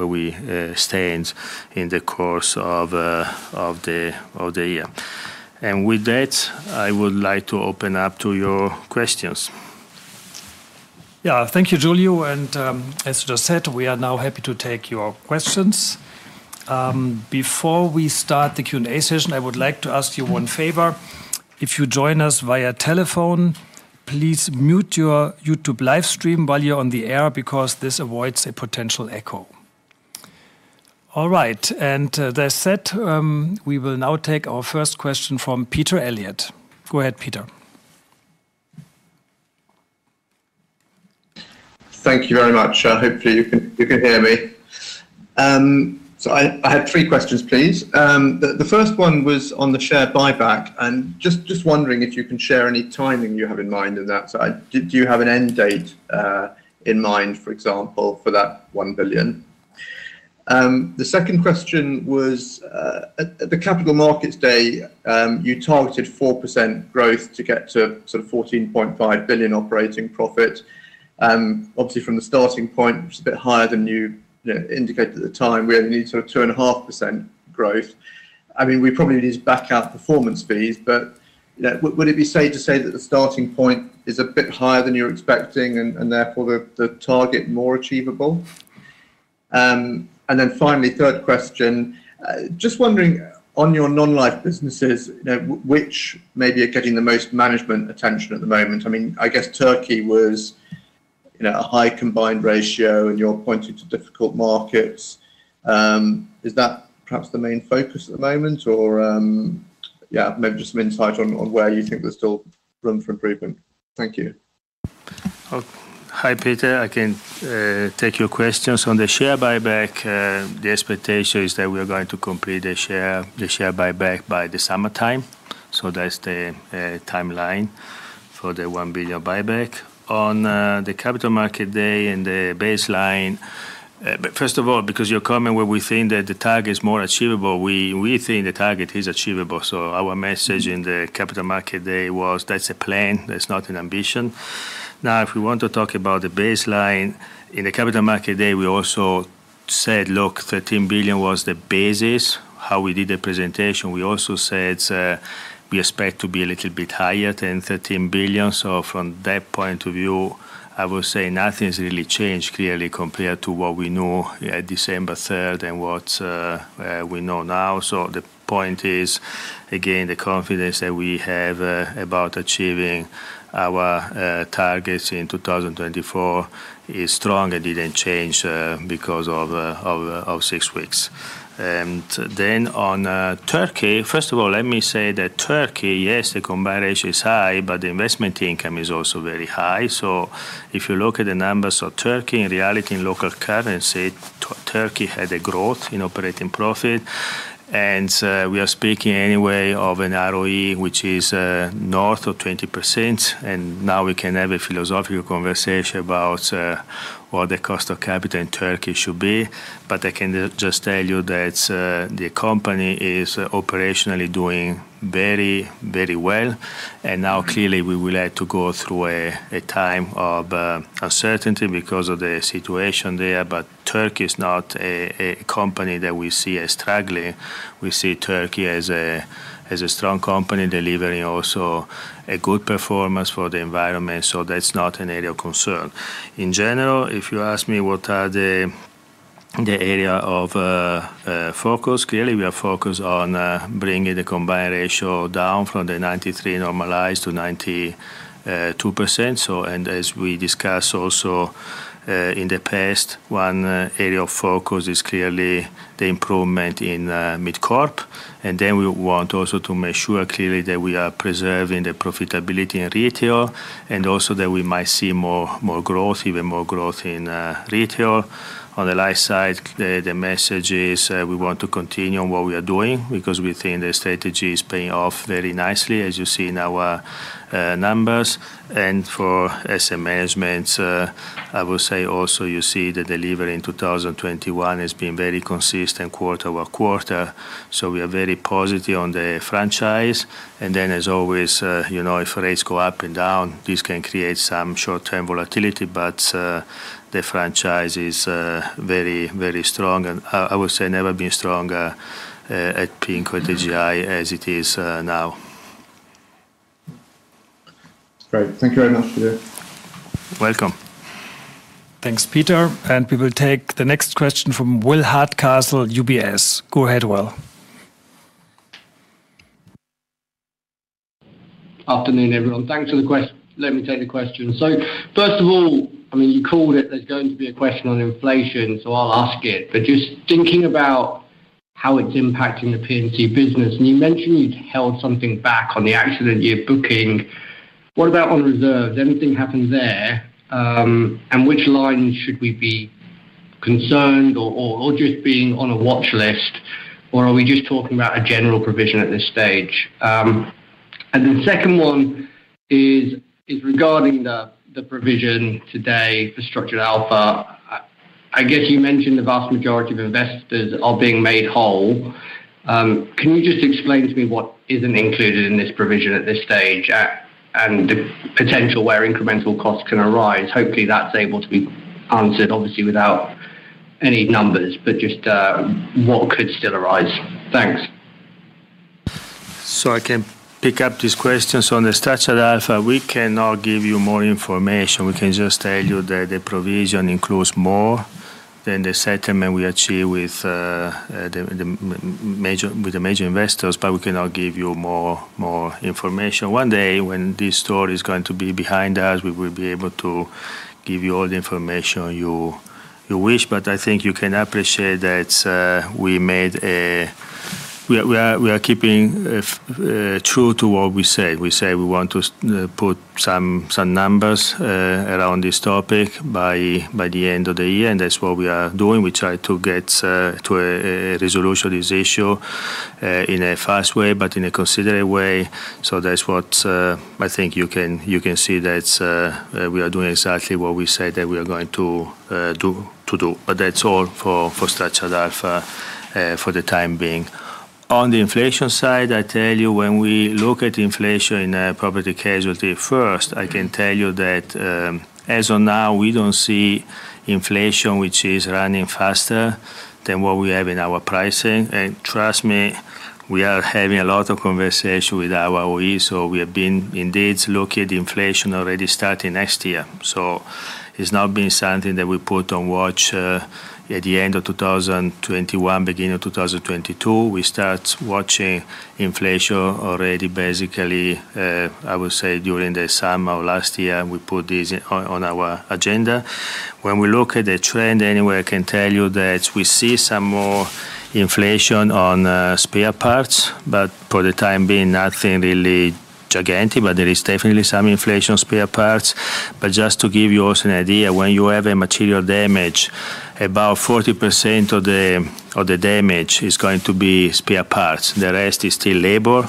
we stand in the course of the year. With that, I would like to open up to your questions. Yeah. Thank you, Giulio. As Joe said, we are now happy to take your questions. Before we start the Q&A session, I would like to ask you one favor. If you join us via telephone, please mute your YouTube live stream while you're on the air because this avoids a potential echo. All right. That said, we will now take our first question from Peter Eliot. Go ahead, Peter. Thank you very much. Hopefully you can hear me. So I have three questions, please. The first one was on the share buyback, and just wondering if you can share any timing you have in mind on that side. Do you have an end date in mind, for example, for that 1 billion? The second question was at the Capital Markets Day, you targeted 4% growth to get to sort of 14.5 billion operating profit. Obviously from the starting point, which is a bit higher than you know indicated at the time, we only need sort of 2.5% growth. I mean, we probably need to back out performance fees, but, you know, would it be safe to say that the starting point is a bit higher than you're expecting and therefore the target more achievable? Finally, third question, just wondering on your non-life businesses, you know, which maybe are getting the most management attention at the moment. I mean, I guess Turkey was, you know, a high combined ratio and you're pointing to difficult markets. Is that perhaps the main focus at the moment or yeah, maybe just some insight on where you think there's still room for improvement. Thank you. Oh, hi, Peter. I can take your questions. On the share buyback, the expectation is that we are going to complete the share buyback by the summertime. That's the timeline for the 1 billion buyback. On the Capital Market Day and the baseline, first of all, because your comment where we think that the target is more achievable, we think the target is achievable. Our message in the Capital Market Day was that's a plan, that's not an ambition. Now, if we want to talk about the baseline, in the Capital Market Day, we also said, look, 13 billion was the basis. How we did the presentation, we also said, we expect to be a little bit higher than 13 billion. From that point of view, I would say nothing's really changed clearly compared to what we know at December third and what we know now. The point is, again, the confidence that we have about achieving our targets in 2024, is strong and didn't change because of six weeks. Then on Turkey, first of all, let me say that Turkey, yes, the combined ratio is high, but the investment income is also very high. If you look at the numbers of Turkey, in reality, in local currency, Turkey had a growth in operating profit. We are speaking anyway of an ROE which is north of 20%, and now we can have a philosophical conversation about what the cost of capital in Turkey should be. I can just tell you that the company is operationally doing very, very well. Now clearly we will have to go through a time of uncertainty because of the situation there. Turkey is not a company that we see as struggling. We see Turkey as a strong company delivering also a good performance for the environment, so that's not an area of concern. In general, if you ask me, the area of focus, clearly we are focused on bringing the combined ratio down from the 93 normalized to 92%. As we discuss also in the past, one area of focus is clearly the improvement in MidCorp, and then we want also to make sure clearly that we are preserving the profitability in retail, and also that we might see more growth, even more growth in retail. On the life side, the message is we want to continue on what we are doing because we think the strategy is paying off very nicely, as you see in our numbers. For asset management, I will say also you see the delivery in 2021, has been very consistent quarter over quarter, so we are very positive on the franchise. as always, you know, if rates go up and down, this can create some short-term volatility, but the franchise is very, very strong, and I would say never been stronger at P&C or AGI as it is now. Great. Thank you very much. Welcome. Thanks, Peter. We will take the next question from Will Hardcastle, UBS. Go ahead, Will. Afternoon, everyone. Let me take the question. First of all, I mean, you called it, there's going to be a question on inflation, so I'll ask it. Just thinking about how it's impacting the P&C business, and you mentioned you'd held something back on the accident year booking. What about on reserves? Did anything happen there? And which line should we be concerned or just being on a watchlist, or are we just talking about a general provision at this stage? And the second one, is regarding the provision today for Structured Alpha. I guess you mentioned the vast majority of investors are being made whole. Can you just explain to me what isn't included in this provision at this stage and the potential where incremental costs can arise? Hopefully, that's able to be answered, obviously, without any numbers, but just what could still arise. Thanks. I can pick up these questions. On the Structured Alpha, we cannot give you more information. We can just tell you that the provision includes more, than the settlement we achieved with the major investors, but we cannot give you more information. One day, when this story is going to be behind us, we will be able to give you all the information you wish. I think you can appreciate that we are keeping true to what we said. We said we want to put some numbers around this topic by the end of the year, and that's what we are doing. We try to get to a resolution of this issue in a fast way, but in a considerate way. That's what I think you can see that we are doing exactly what we said that we are going to do. That's all for Structured Alpha for the time being. On the inflation side, I tell you, when we look at inflation in property & casualty first, I can tell you that as of now, we don't see inflation which is running faster, than what we have in our pricing. Trust me, we are having a lot of conversation with our OEs, so we have been indeed looking at the inflation already starting next year. It's not been something that we put on watch at the end of 2021, beginning of 2022. We start watching inflation already basically. I would say during the summer of last year, we put this on our agenda. When we look at the trend anyway, I can tell you that we see some more inflation on spare parts, but for the time being, nothing really gigantic, but there is definitely some inflation on spare parts. Just to give you also an idea, when you have a material damage, about 40% of the damage is going to be spare parts. The rest is still labor,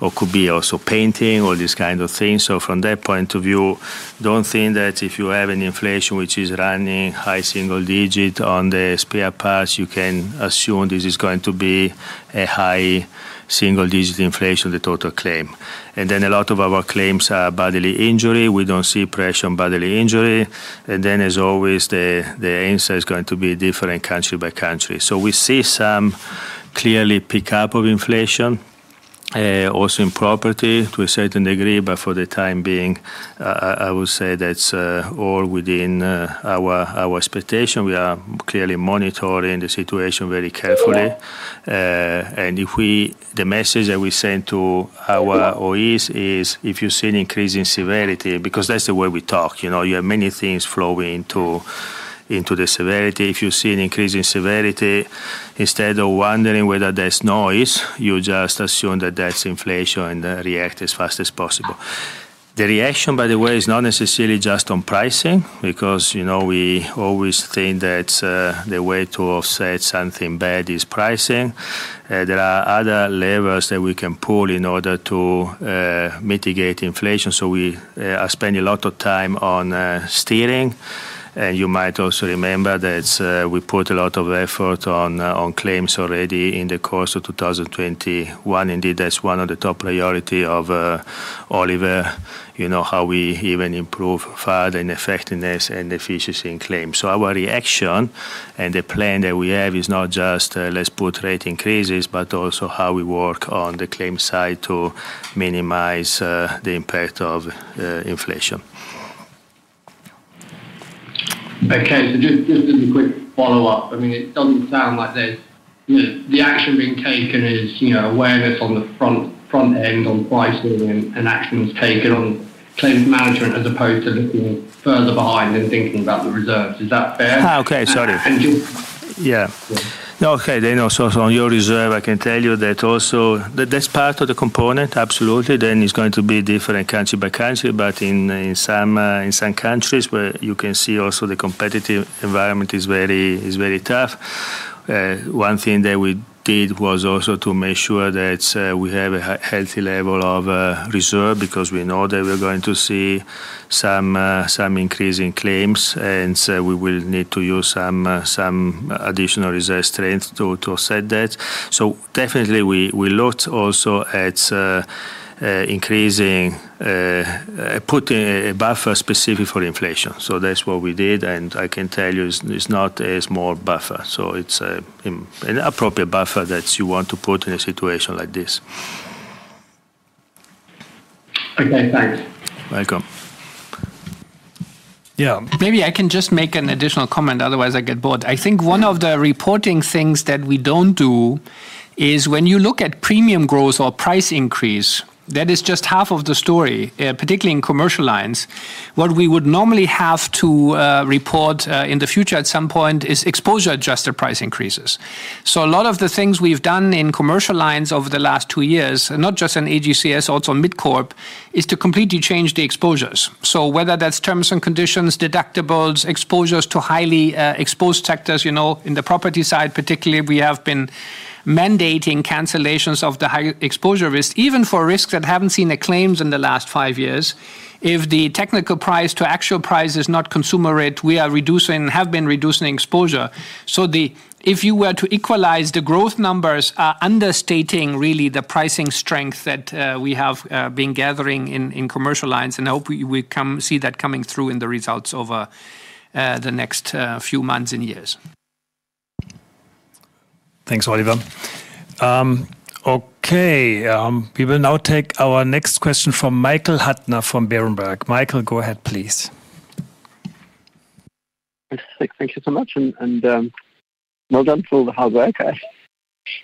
or could be also painting, all these kind of things. From that point of view, don't think that if you have an inflation which is running high single-digit on the spare parts, you can assume this is going to be a high single-digit inflation on the total claim. A lot of our claims are bodily injury. We don't see pressure on bodily injury. As always, the answer is going to be different country by country. We see some clear pick-up of inflation, also in property to a certain degree, but for the time being, I would say that's all within our expectation. We are clearly monitoring the situation very carefully. The message that we send to our OEs is, if you see an increase in severity, because that's the way we talk, you know. You have many things flowing into the severity. If you see an increase in severity, instead of wondering whether there's noise, you just assume that that's inflation and react as fast as possible. The reaction, by the way, is not necessarily just on pricing, because, you know, we always think that the way to offset something bad is pricing. There are other levers that we can pull in order to mitigate inflation. We are spending a lot of time on steering. You might also remember that we put a lot of effort on claims already in the course of 2021. Indeed, that's one of the top priority of Oliver. You know, how we even improve further in effectiveness and efficiency in claims. Our reaction and the plan that we have is not just let's put rate increases, but also how we work on the claims side to minimize the impact of inflation. Okay. Just as a quick follow-up. I mean, it doesn't sound like there's, you know, the action being taken is, you know, awareness on the front end on pricing and actions taken on claims management as opposed to looking further behind and thinking about the reserves. Is that fair? Okay. Sorry. And just- Also from your reserve, I can tell you that that's part of the component, absolutely. It's going to be different country by country. In some countries where you can see also the competitive environment is very tough. One thing that we did, was also to make sure that we have a healthy level of reserve because we know that we're going to see some increase in claims, and so we will need to use some additional reserve strength to offset that. Definitely we looked also at putting a buffer specific for inflation. That's what we did, and I can tell you it's not a small buffer. It's an appropriate buffer that you want to put in a situation like this. Okay, thanks. Welcome. Yeah. Maybe I can just make an additional comment, otherwise I get bored. I think one of the reporting things that we don't do is when you look at premium growth or price increase, that is just half of the story, particularly in commercial lines. What we would normally have to report in the future at some point is exposure-adjusted price increases. So a lot of the things we've done in commercial lines over the last two years, and not just in AGCS, also MidCorp, is to completely change the exposures. So whether that's terms and conditions, deductibles, exposures to highly exposed sectors. You know, in the property side particularly, we have been mandating cancellations of the high exposure risk, even for risks that haven't seen a claim in the last five years. If the technical price to actual price is not consumer rate, we are reducing, have been reducing exposure. If you were to equalize the growth numbers are understating really the pricing strength that we have been gathering in commercial lines, and I hope we see that coming through in the results over the next few months and years. Thanks, Oliver. Okay. We will now take our next question from Michael Huttner from Berenberg. Michael, go ahead please. Thank you so much and well done for all the hard work.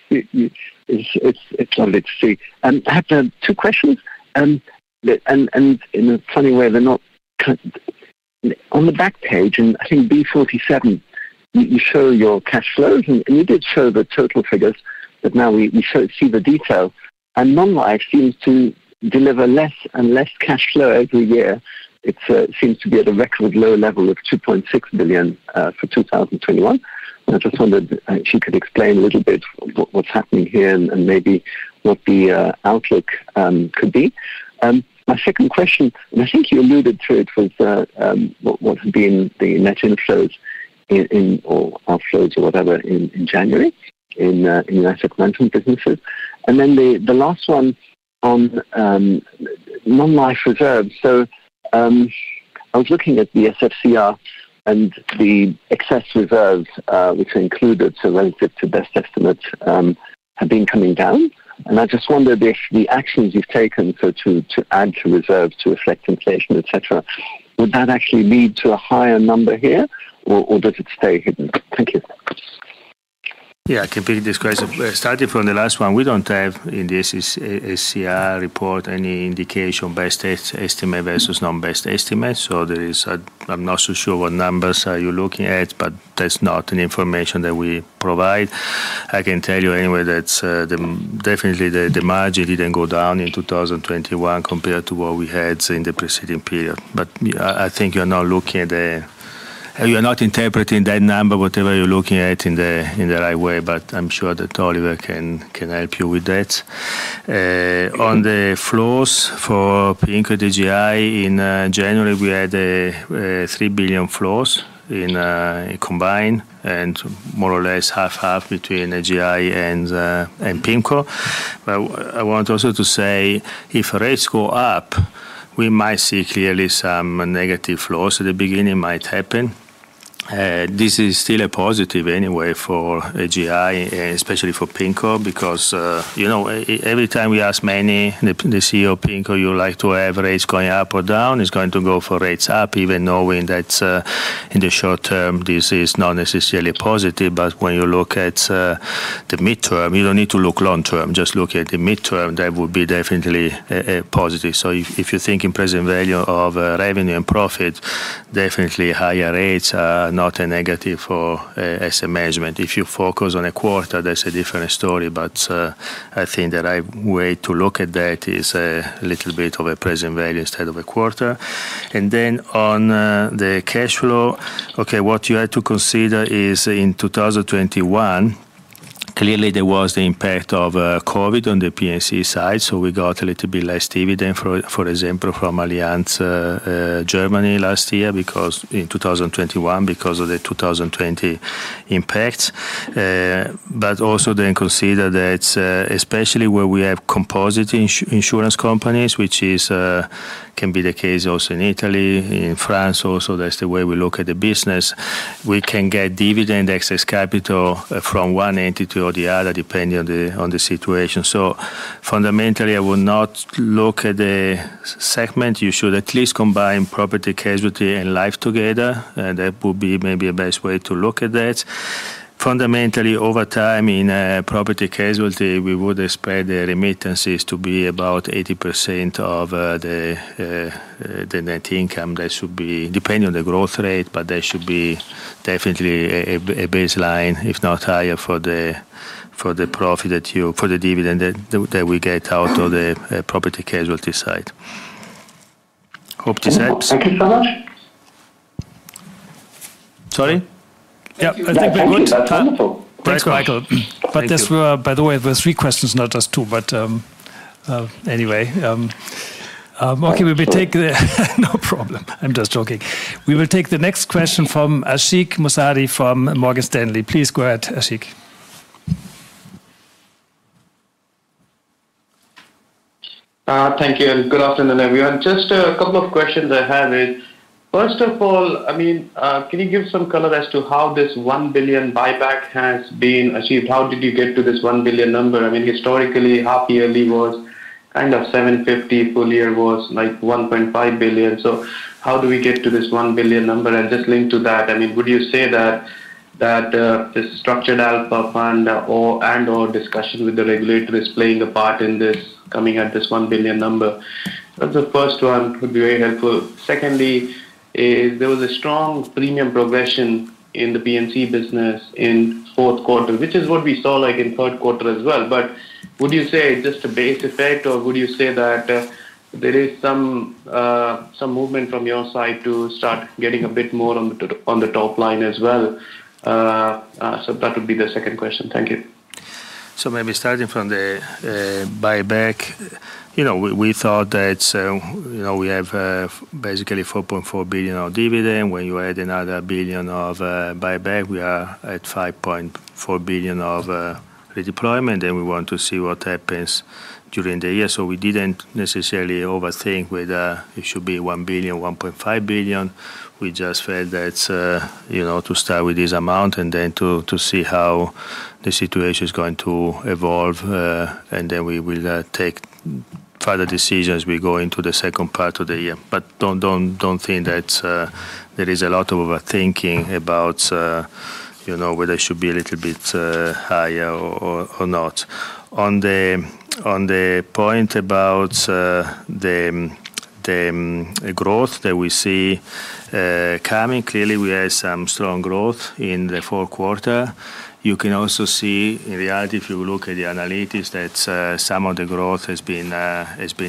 It's lovely to see. I have two questions. In a funny way they're not cut. On the back page in, I think B 47, you show your cash flows and you did show the total figures, but now we see the detail and non-life seems to deliver less and less cash flow every year. It seems to be at a record low level of 2.6 billion for 2021. I just wondered if you could explain a little bit what's happening here and maybe what the outlook could be. My second question, and I think you alluded to it, was what had been the net inflows or outflows or whatever in January, in your asset management businesses. Then the last one on non-life reserves. I was looking at the SFCR and the excess reserves, which are included, so relative to best estimate, have been coming down. I just wondered if the actions you've taken, so to add to reserves to reflect inflation, et cetera, would that actually lead to a higher number here or does it stay hidden? Thank you. I can take this question. Starting from the last one, we don't have in the SFCR report any indication best estimate versus non-best estimate. I'm not so sure what numbers are you looking at, but that's not an information that we provide. I can tell you anyway that definitely the margin didn't go down in 2021 compared to what we had in the preceding period. I think you're now looking at, you're not interpreting that number, whatever you're looking at in the right way, but I'm sure that Oliver can help you with that. On the flows for PIMCO AGI, in January we had a 3 billion flows in, combined and more or less half and half between AGI and PIMCO. I want also to say if rates go up, we might see clearly some negative flows at the beginning might happen. This is still a positive anyway for AGI, especially for PIMCO because, you know, every time we ask Manny, the CEO of PIMCO, you like to have rates going up or down, he's going to go for rates up even knowing that, in the short term this is not necessarily positive. When you look at, the midterm, you don't need to look long term, just look at the midterm, that would be definitely a positive. If you think in present value of, revenue and profit, definitely higher rates are not a negative for, asset management. If you focus on a quarter, that's a different story. I think the right way to look at that is a little bit of a present value instead of a quarter. On the cash flow, what you have to consider is in 2021, clearly there was the impact of COVID on the P&C side, so we got a little bit less dividend for example from Allianz Germany last year because in 2021 of the 2020 impacts. But also then consider that especially where we have composite insurance companies, which can be the case also in Italy, in France also that's the way we look at the business. We can get dividend excess capital from one entity or the other, depending on the situation. Fundamentally I would not look at the segment. You should at least combine property, casualty and life together. That would be maybe a best way to look at that. Fundamentally, over time in property casualty, we would expect the remittances to be about 80% of the net income. That should be depending on the growth rate, but they should be definitely a baseline, if not higher, for the dividend that we get out of the property casualty side. Hope this helps. Thank you so much. Sorry? Yeah, I think we're good. Thank you. That's wonderful. Thanks, Michael. Thank you. By the way, it was three questions, not just two. Anyway, okay. No problem. I'm just joking. We will take the next question from Ashik Musaddi from Morgan Stanley. Please go ahead, Ashik. Thank you, good afternoon, everyone. Just a couple of questions I have is, first of all, I mean, can you give some color as to how this 1 billion buyback has been achieved? How did you get to this 1 billion number? I mean, historically, half yearly was kind of 750 million. Full year was, like, 1.5 billion. So how do we get to this 1 billion number? And just linked to that, I mean, would you say that this Structured Alpha fund or, and/or discussion with the regulator is playing a part in this, coming at this 1 billion number? That's the first one. Would be very helpful. Second, there was a strong premium progression in the P&C business in fourth quarter, which is what we saw, like, in third quarter as well. Would you say just a base effect, or would you say that there is some movement from your side to start getting a bit more on the top line as well? So that would be the second question. Thank you. Maybe starting from the buyback. You know, we thought that, you know, we have basically 4.4 billion of dividend. When you add another 1 billion of buyback, we are at 5.4 billion of redeployment, and we want to see what happens during the year. We didn't necessarily overthink whether it should be 1 billion, 1.5 billion. We just felt that, you know, to start with this amount and then to see how the situation is going to evolve, and then we will take further decisions as we go into the second part of the year. But don't think that there is a lot of overthinking about, you know, whether it should be a little bit higher or not. On the point about the growth that we see coming, clearly we had some strong growth in the fourth quarter. You can also see in reality if you look at the analytics, that some of the growth has been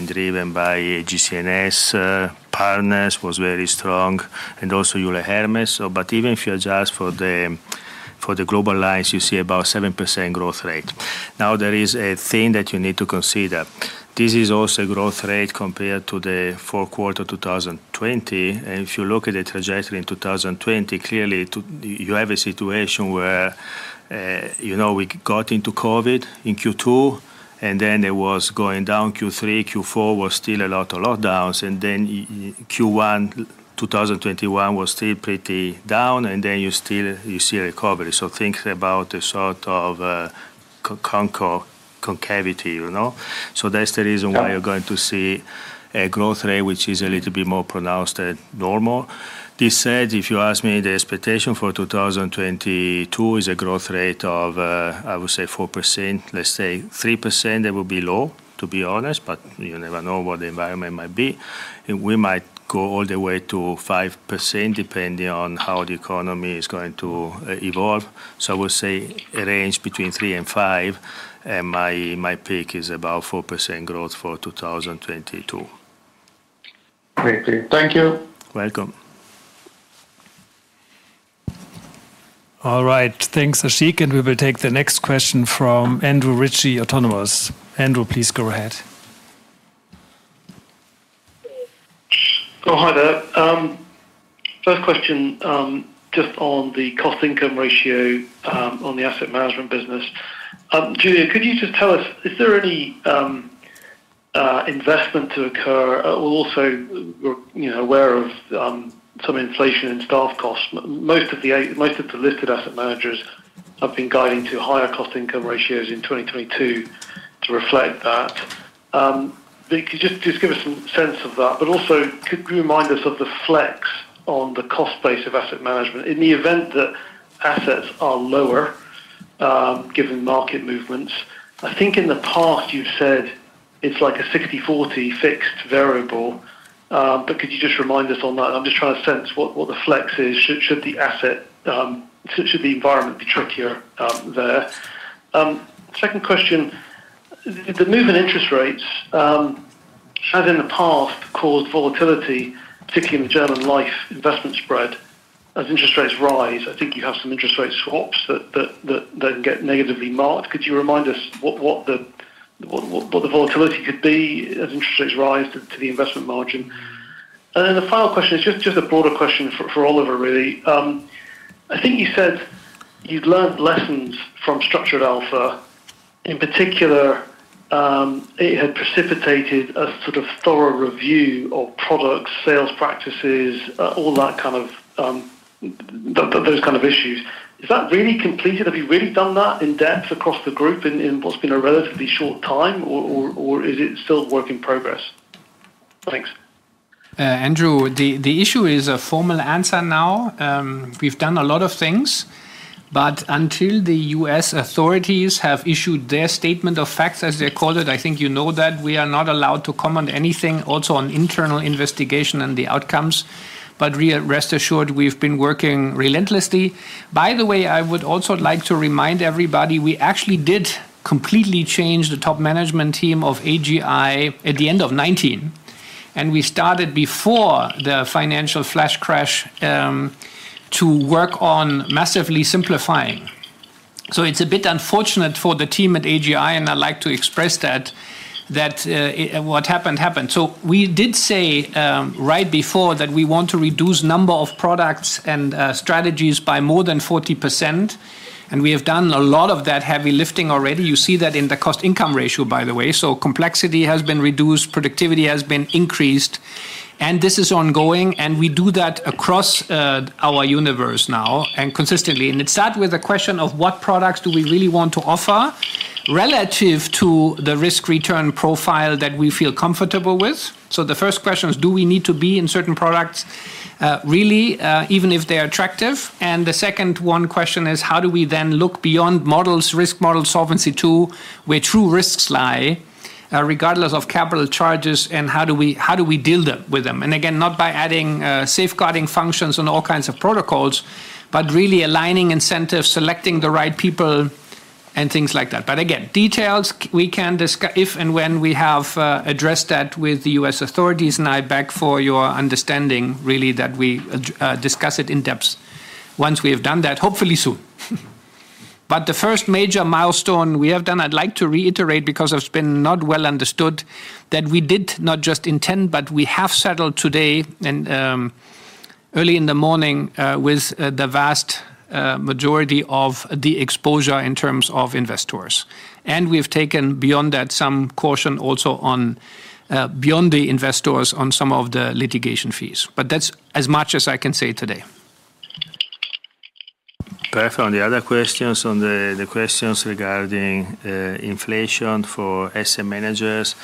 driven by AGCS. Allianz Partners was very strong and also Euler Hermes. But even if you adjust for the global lines, you see about 7% growth rate. Now, there is a thing that you need to consider. This is also growth rate compared to the fourth quarter 2020. If you look at the trajectory in 2020, clearly you have a situation where you know we got into COVID in Q2, and then it was going down Q3. Q4 was still a lot of lockdowns, and then Q1 2021, was still pretty down, and then you see a recovery. Think about a sort of a concavity, you know? That's the reason why you're going to see a growth rate which is a little bit more pronounced than normal. This said, if you ask me, the expectation for 2022 is a growth rate of, I would say 4%. Let's say 3%. That would be low, to be honest, but you never know what the environment might be. We might go all the way to 5%, depending on how the economy is going to evolve. I will say a range between 3% and 5%, and my pick is about 4% growth for 2022. Great. Thank you. Welcome. All right. Thanks, Ashik. We will take the next question from Andrew Ritchie, Autonomous. Andrew, please go ahead. First question, just on the cost-income ratio, on the asset management business. Giulio, could you just tell us, is there any investment to occur? We're also, you know, aware of some inflation in staff costs. Most of the listed asset managers have been guiding to higher cost-income ratios in 2022 to reflect that. Could you just give us some sense of that? Also could you remind us of the flex on the cost base of asset management in the event that assets are lower, given market movements? I think in the past you've said it's like a 60/40 fixed variable. Could you just remind us on that? I'm just trying to sense what the flex is should the asset environment be trickier there. Second question, the move in interest rates have in the past caused volatility, particularly in the German Life investment spread. As interest rates rise, I think you have some interest rate swaps that then get negatively marked. Could you remind us what the volatility could be as interest rates rise to the investment margin? The final question is just a broader question for Oliver, really. I think you said you'd learnt lessons from Structured Alpha. In particular, it had precipitated a sort of thorough review of products, sales practices, all that kind of those kind of issues. Is that really completed? Have you really done that in depth across the group in what's been a relatively short time, or is it still work in progress? Andrew, the issue is a formal answer now. We've done a lot of things, but until the U.S. authorities have issued their statement of facts, as they call it, I think you know that we are not allowed to comment anything also on internal investigation and the outcomes. Rest assured, we've been working relentlessly. By the way, I would also like to remind everybody, we actually did completely change the top management team of AGI at the end of 2019, and we started before the financial flash crash to work on massively simplifying. It's a bit unfortunate for the team at AGI, and I like to express that what happened. We did say, right before that we want to reduce number of products and strategies by more than 40%, and we have done a lot of that heavy lifting already. You see that in the cost-income ratio, by the way. Complexity has been reduced, productivity has been increased, and this is ongoing, and we do that across our universe now and consistently. It start with a question of what products do we really want to offer, relative to the risk return profile that we feel comfortable with? The first question is, do we need to be in certain products really even if they are attractive? The second one question is, how do we then look beyond models, risk models, Solvency II, where true risks lie, regardless of capital charges, and how do we deal with them? Again, not by adding safeguarding functions and all kinds of protocols, but really aligning incentives, selecting the right people and things like that. But again, details, we can discuss if and when we have addressed that with the U.S. authorities, and I beg for your understanding really that we discuss it in depth once we have done that, hopefully soon. The first major milestone we have done, I'd like to reiterate because it's been not well understood, that we did not just intend, but we have settled today and early in the morning with the vast majority of the exposure in terms of investors. We have taken beyond that some caution also on beyond the investors on some of the litigation fees. That's as much as I can say today. Perfect. On the other questions, on the questions regarding inflation for asset managers,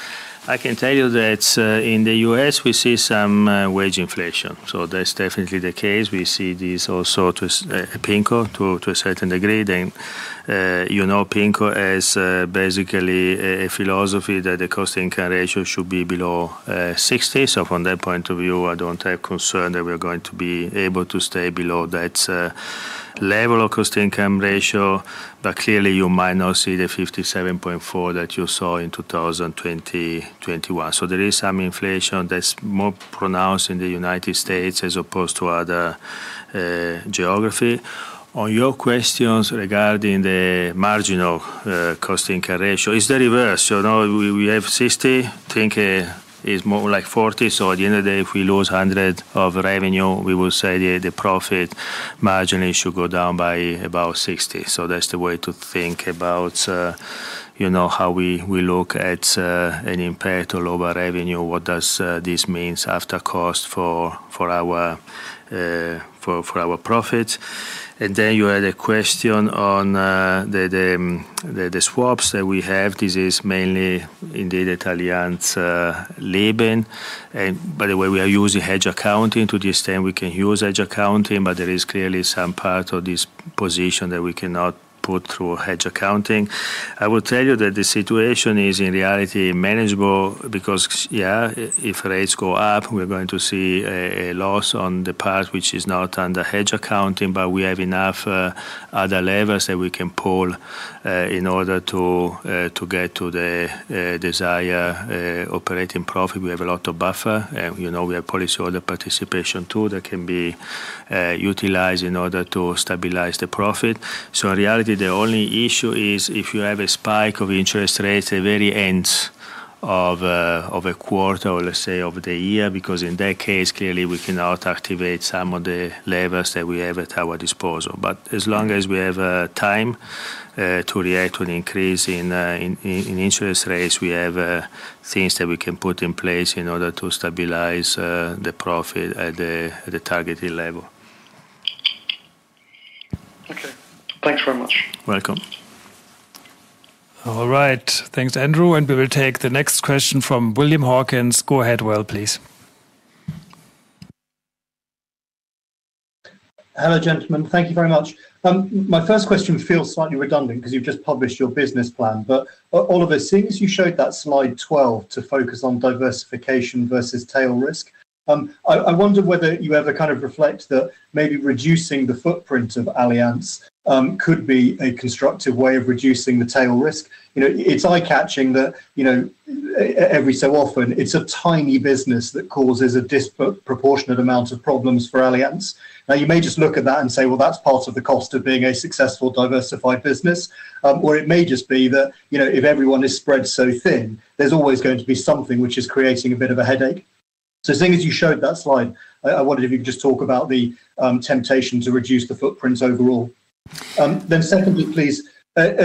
I can tell you that in the U.S. we see some wage inflation. That's definitely the case. We see this also to PIMCO to a certain degree. You know PIMCO has basically a philosophy that the cost-income ratio should be below 60. From that point of view, I don't have concern that we are going to be able to stay below that level of cost-income ratio. But clearly you might not see the 57.4 that you saw in 2021. There is some inflation that's more pronounced in the United States as opposed to other geographies. On your questions regarding the marginal cost-income ratio, it's the reverse. We have 60, I think it's more like 40. At the end of the day, if we lose 100 of revenue, we will say the profit margin should go down by about 60%. That's the way to think about, you know, how we look at an impact of lower revenue, what does this mean after cost for our profits. Then you had a question on the swaps that we have. This is mainly indeed Allianz Leben. By the way, we are using hedge accounting. To this day, we can use hedge accounting, but there is clearly some part of this position that we cannot put through hedge accounting. I will tell you that the situation is in reality manageable because yeah, if rates go up, we're going to see a loss on the part which is not under hedge accounting. We have enough other levers that we can pull in order to get to the desired operating profit. We have a lot of buffer. You know, we have policyholder participation too that can be utilized in order to stabilize the profit. In reality, the only issue is if you have a spike of interest rates at very end of a quarter or let's say of the year, because in that case, clearly we cannot activate some of the levers that we have at our disposal. As long as we have time to react to an increase in interest rates, we have things that we can put in place in order to stabilize the profit at the targeted level. Okay. Thanks very much. Welcome. All right. Thanks, Andrew. We will take the next question from William Hawkins. Go ahead, Will, please. Hello, gentlemen. Thank you very much. My first question feels slightly redundant because you've just published your business plan. Oliver, since you showed that slide 12 to focus on diversification versus tail risk, I wonder whether you ever kind of reflect that maybe reducing the footprint of Allianz could be a constructive way of reducing the tail risk. You know, it's eye-catching that, you know, every so often it's a tiny business that causes a disproportionate amount of problems for Allianz. Now, you may just look at that and say, "Well, that's part of the cost of being a successful diversified business." Or it may just be that, you know, if everyone is spread so thin, there's always going to be something which is creating a bit of a headache. Seeing as you showed that slide, I wondered if you could just talk about the temptation to reduce the footprints overall. Then secondly, please,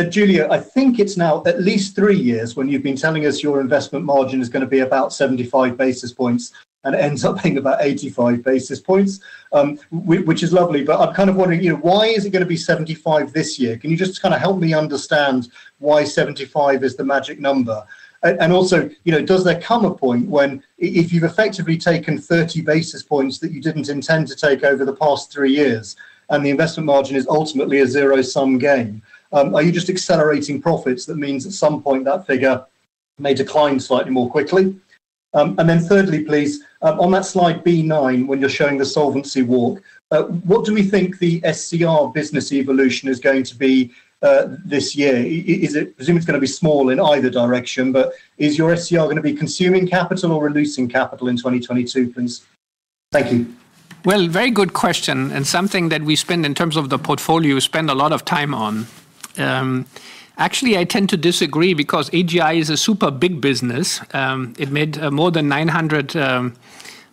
Giulio, I think it's now at least three years when you've been telling us your investment margin is gonna be about 75 basis points and ends up being about 85 basis points, which is lovely, but I'm kind of wondering, you know, why is it gonna be 75 this year? Can you just kind of help me understand why 75 is the magic number? And also, you know, does there come a point when if you've effectively taken 30 basis points that you didn't intend to take over the past three years, and the investment margin is ultimately a zero-sum game, are you just accelerating profits that means at some point that figure may decline slightly more quickly? Thirdly, please, on that slide B9, when you're showing the solvency walk, what do we think the SCR business evolution is going to be this year? I presume it's gonna be small in either direction, but is your SCR gonna be consuming capital or releasing capital in 2022 please? Thank you. Well, very good question, and something that we spend a lot of time on in terms of the portfolio. Actually, I tend to disagree because AGI is a super big business. It made more than 900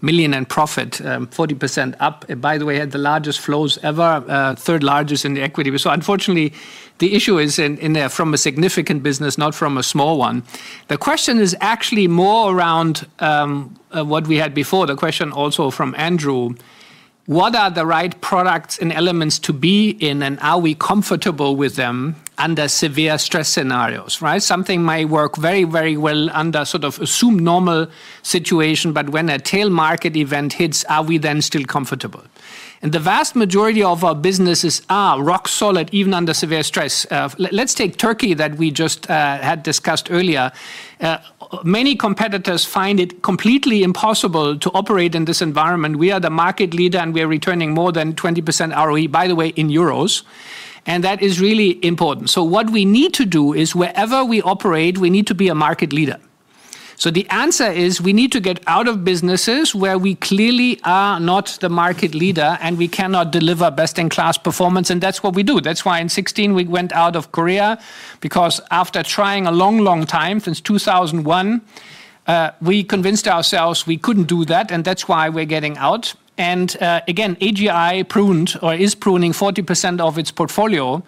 million in profit, 40% up. By the way, had the largest flows ever, third largest in the equity. So unfortunately, the issue is in there from a significant business, not from a small one. The question is actually more around what we had before, the question also from Andrew. What are the right products and elements to be in, and are we comfortable with them under severe stress scenarios, right? Something may work very, very well under sort of assumed normal situation, but when a tail market event hits, are we then still comfortable? The vast majority of our businesses are rock solid, even under severe stress. Let's take Turkey that we just had discussed earlier. Many competitors find it completely impossible to operate in this environment. We are the market leader, and we are returning more than 20% ROE, by the way, in euros, and that is really important. What we need to do is wherever we operate, we need to be a market leader. The answer is we need to get out of businesses where we clearly are not the market leader, and we cannot deliver best-in-class performance. That's what we do. That's why in 2016 we went out of Korea because after trying a long, long time, since 2001, we convinced ourselves we couldn't do that, and that's why we're getting out. Again, AGI pruned or is pruning 40% of its portfolio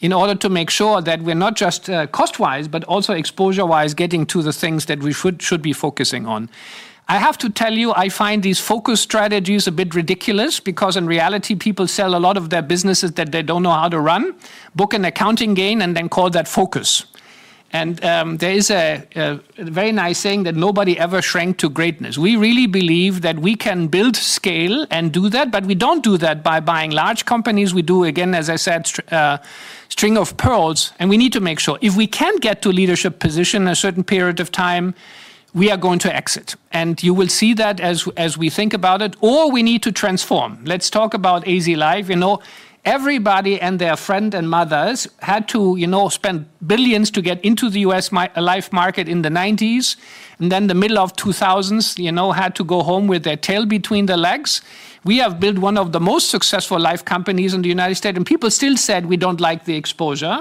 in order to make sure that we're not just cost-wise, but also exposure-wise, getting to the things that we should be focusing on. I have to tell you, I find these focus strategies a bit ridiculous because in reality, people sell a lot of their businesses that they don't know how to run, book an accounting gain, and then call that focus. There is a very nice saying that nobody ever shrank to greatness. We really believe that we can build scale and do that, but we don't do that by buying large companies. We do, again, as I said, string of pearls, and we need to make sure. If we can't get to leadership position a certain period of time, we are going to exit. You will see that as we think about it. We need to transform. Let's talk about Allianz Life. You know, everybody and their friend and mothers had to, you know, spend $ billions to get into the U.S. life market in the 1990s, and then the middle of the 2000s, you know, had to go home with their tail between their legs. We have built one of the most successful life companies in the United States, and people still said, "We don't like the exposure."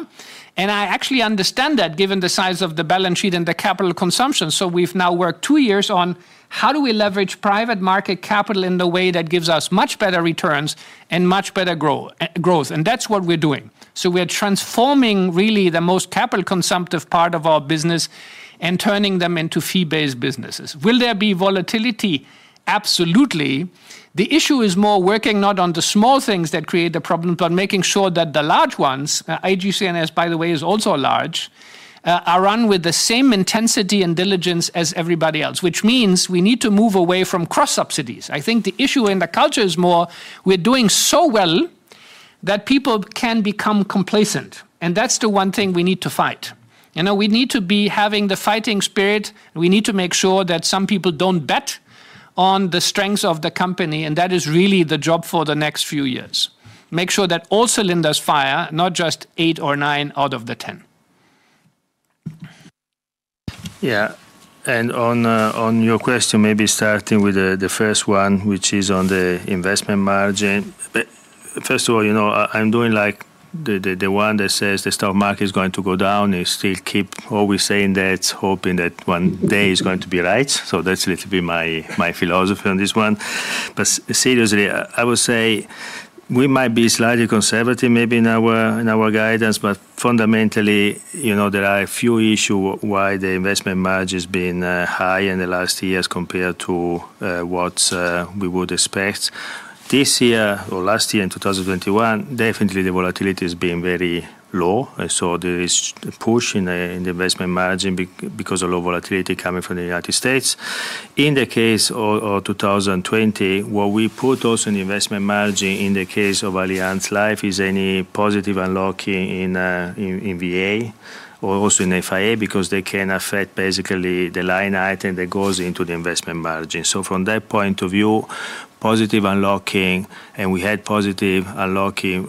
I actually understand that given the size of the balance sheet and the capital consumption. We've now worked two years on how do we leverage private market capital in the way that gives us much better returns and much better growth. That's what we're doing. We are transforming really the most capital consumptive part of our business and turning them into fee-based businesses. Will there be volatility? Absolutely. The issue is more working not on the small things that create the problem, but making sure that the large ones, AGCS, by the way, is also large, are run with the same intensity and diligence as everybody else, which means we need to move away from cross subsidies. I think the issue in the culture is more we're doing so well that people can become complacent, and that's the one thing we need to fight. You know, we need to be having the fighting spirit. We need to make sure that some people don't bet on the strengths of the company, and that is really the job for the next few years. Make sure that all cylinders fire, not just 8 or 9 out of the 10. On your question, maybe starting with the first one, which is on the investment margin. First of all, you know, I'm doing like the one that says the stock market is going to go down. They still keep always saying that, hoping that one day it's going to be right. That's little bit my philosophy on this one. Seriously, I would say we might be slightly conservative maybe in our guidance, but fundamentally, you know, there are a few issue why the investment margin has been high in the last years compared to what we would expect. This year or last year in 2021, definitely the volatility has been very low. There is push in the investment margin because of low volatility coming from the United States. In the case of 2020, what we put also in investment margin in the case of Allianz Life is any positive unlocking in VA, or also in FIA because they can affect basically the line item that goes into the investment margin. From that point of view, positive unlocking, and we had positive unlocking,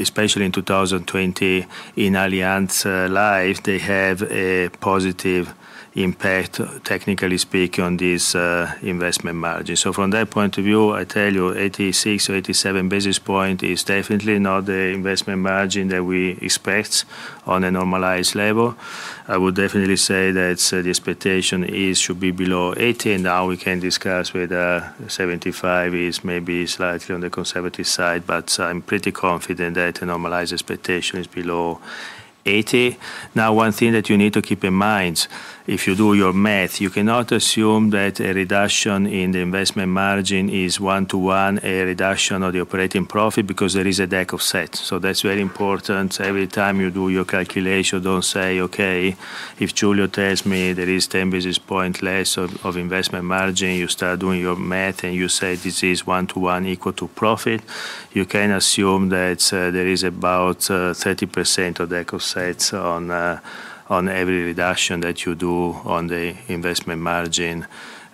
especially in 2020, in Allianz Life. They have a positive impact, technically speaking, on these investment margins. From that point of view, I tell you 86 or 87 basis points is definitely not the investment margin that we expect on a normalized level. I would definitely say that the expectation is should be below 80, and now we can discuss whether 75 is maybe slightly on the conservative side. I'm pretty confident that a normalized expectation is below 80. One thing that you need to keep in mind if you do your math, you cannot assume that a reduction in the investment margin is one-to-one a reduction of the operating profit because there is a DAC offset. That's very important. Every time you do your calculation, don't say, "Okay, if Giulio tells me there is 10 basis point less of investment margin," you start doing your math and you say, "This is one-to-one equal to profit." You can assume that there is about 30% of DAC offsets on every reduction that you do on the investment margin.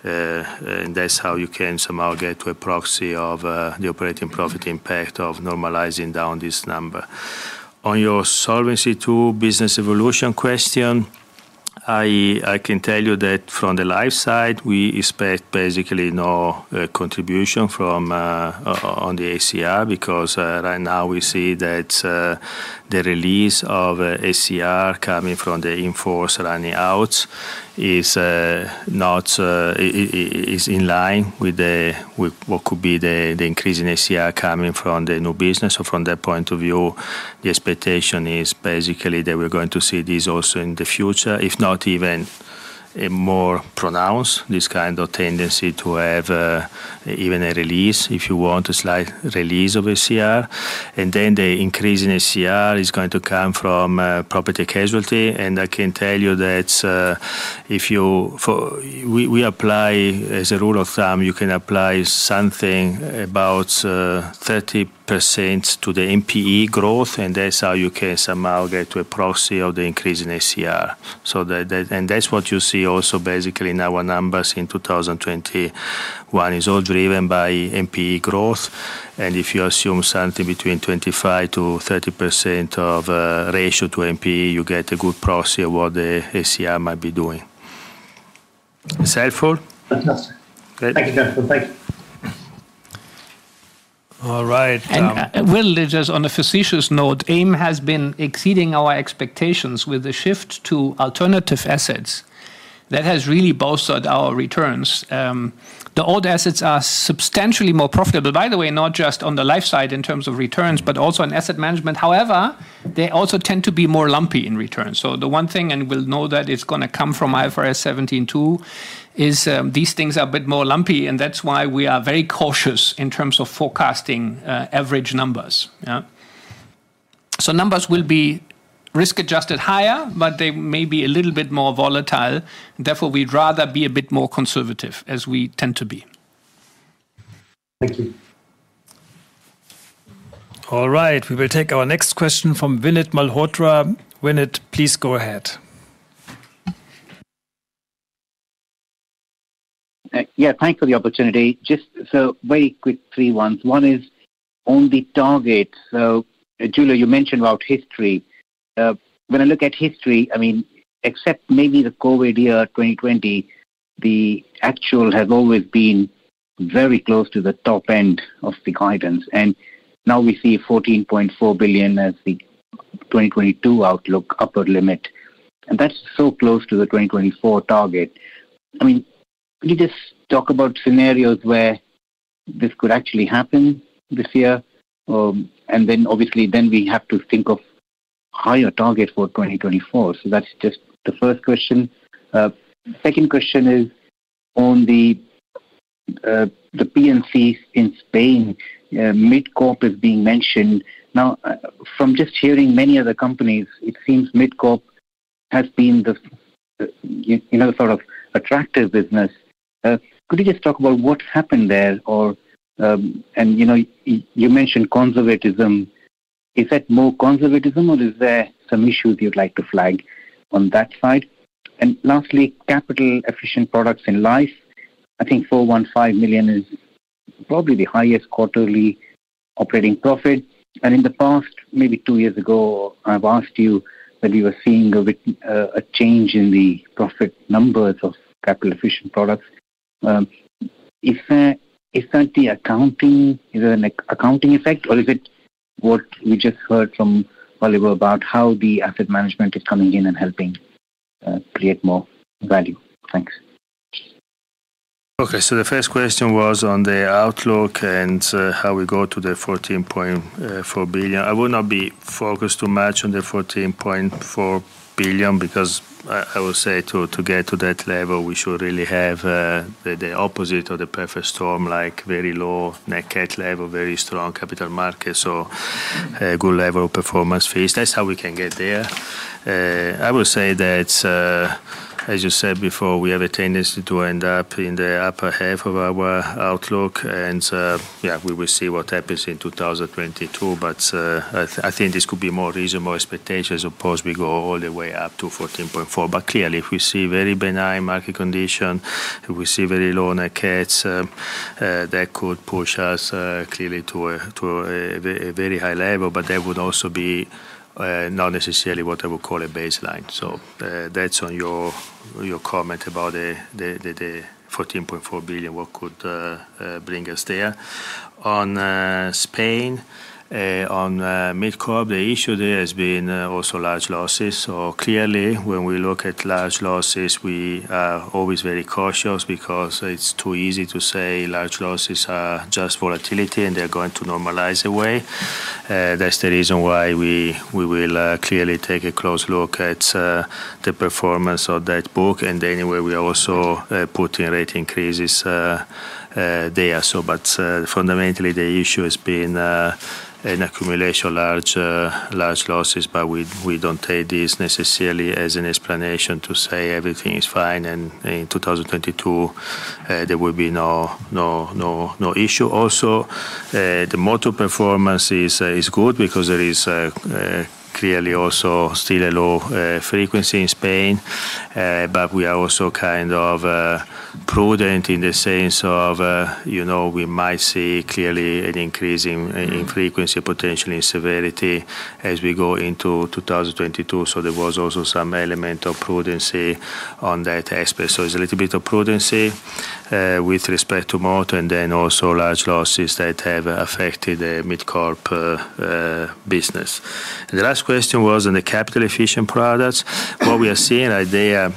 And that's how you can somehow get to a proxy of the operating profit impact of normalizing down this number. On your Solvency II business evolution question, I can tell you that from the life side, we expect basically no contribution from the ACR because right now we see that the release of ACR coming from the in-force running out is not in line with what could be the increase in ACR coming from the new business. From that point of view, the expectation is basically that we're going to see this also in the future, if not even a more pronounced this kind of tendency to have even a release, if you want, a slight release of ACR. Then the increase in ACR is going to come from property casualty, and I can tell you that if you. We apply as a rule of thumb, you can apply something about 30% to the NPE growth, and that's how you can somehow get to a proxy of the increase in ACR. That's what you see also basically in our numbers in 2021. It's all driven by NPE growth, and if you assume something between 25%-30% of ratio to NPE, you get a good proxy of what the ACR might be doing. Is that full? Fantastic. Great. Thank you, gentlemen. Thank you. All right. We'll leave this on a facetious note. AIM has been exceeding our expectations with the shift to alternative assets. That has really bolstered our returns. The old assets are substantially more profitable, by the way, not just on the life side in terms of returns, but also in asset management. However, they also tend to be more lumpy in returns. The one thing, and we'll know that it's gonna come from IFRS 17, is these things are a bit more lumpy, and that's why we are very cautious in terms of forecasting average numbers. Numbers will be risk-adjusted higher, but they may be a little bit more volatile. Therefore, we'd rather be a bit more conservative, as we tend to be. Thank you. All right. We will take our next question from Vinit Malhotra. Vinit, please go ahead. Yeah, thanks for the opportunity. Just three quick ones. One is on the target. Giulio, you mentioned about history. When I look at history, I mean, except maybe the COVID year 2020, the actual has always been very close to the top end of the guidance. Now we see 14.4 billion as the 2022 outlook upper limit, and that's so close to the 2024 target. I mean, can you just talk about scenarios where this could actually happen this year, and then obviously we have to think of higher target for 2024? That's just the first question. Second question is on the P&Cs in Spain. MidCorp is being mentioned. From just hearing many other companies, it seems MidCorp has been the, you know, sort of attractive business. Could you just talk about what happened there? You know, you mentioned conservatism. Is that more conservatism, or is there some issues you'd like to flag on that side? Lastly, capital-efficient products in life. I think 415 million is probably the highest quarterly operating profit. In the past, maybe two years ago, I've asked you whether you were seeing a bit, a change in the profit numbers of capital-efficient products. Is that the accounting, is it an accounting effect, or is it what we just heard from Oliver about how the asset management is coming in and helping create more value? Thanks. Okay, the first question was on the outlook and how we got to the 14.4 billion. I would not be focused too much on the 14.4 billion because I will say to get to that level, we should really have the opposite of the perfect storm, like very low net cat level, very strong capital markets, so good level of performance fees. That's how we can get there. I will say that as you said before, we have a tendency to end up in the upper half of our outlook. Yeah, we will see what happens in 2022. I think this could be more reasonable expectation as opposed we go all the way up to 14.4. Clearly, if we see very benign market condition, if we see very low net cats, that could push us clearly to a very high level. That would also be not necessarily what I would call a baseline. That's on your comment about the 14.4 billion, what could bring us there. On Spain, on MidCorp, the issue there has been also large losses. Clearly when we look at large losses, we are always very cautious, because it's too easy to say large losses are just volatility and they're going to normalize away. That's the reason why we will clearly take a close look at the performance of that book. Anyway, we are also putting rate increases there. Fundamentally, the issue has been an accumulation of large losses, but we don't take this necessarily as an explanation to say everything is fine and in 2022, there will be no issue. Also, the motor performance is good, because there is clearly also still a low frequency in Spain. We are also kind of prudent in the sense of, you know, we might see clearly an increase in frequency, potentially in severity as we go into 2022. There was also some element of prudency on that aspect. It's a little bit of prudency with respect to motor and then also large losses that have affected the MidCorp business. The last question was on the capital-efficient products. What we are seeing there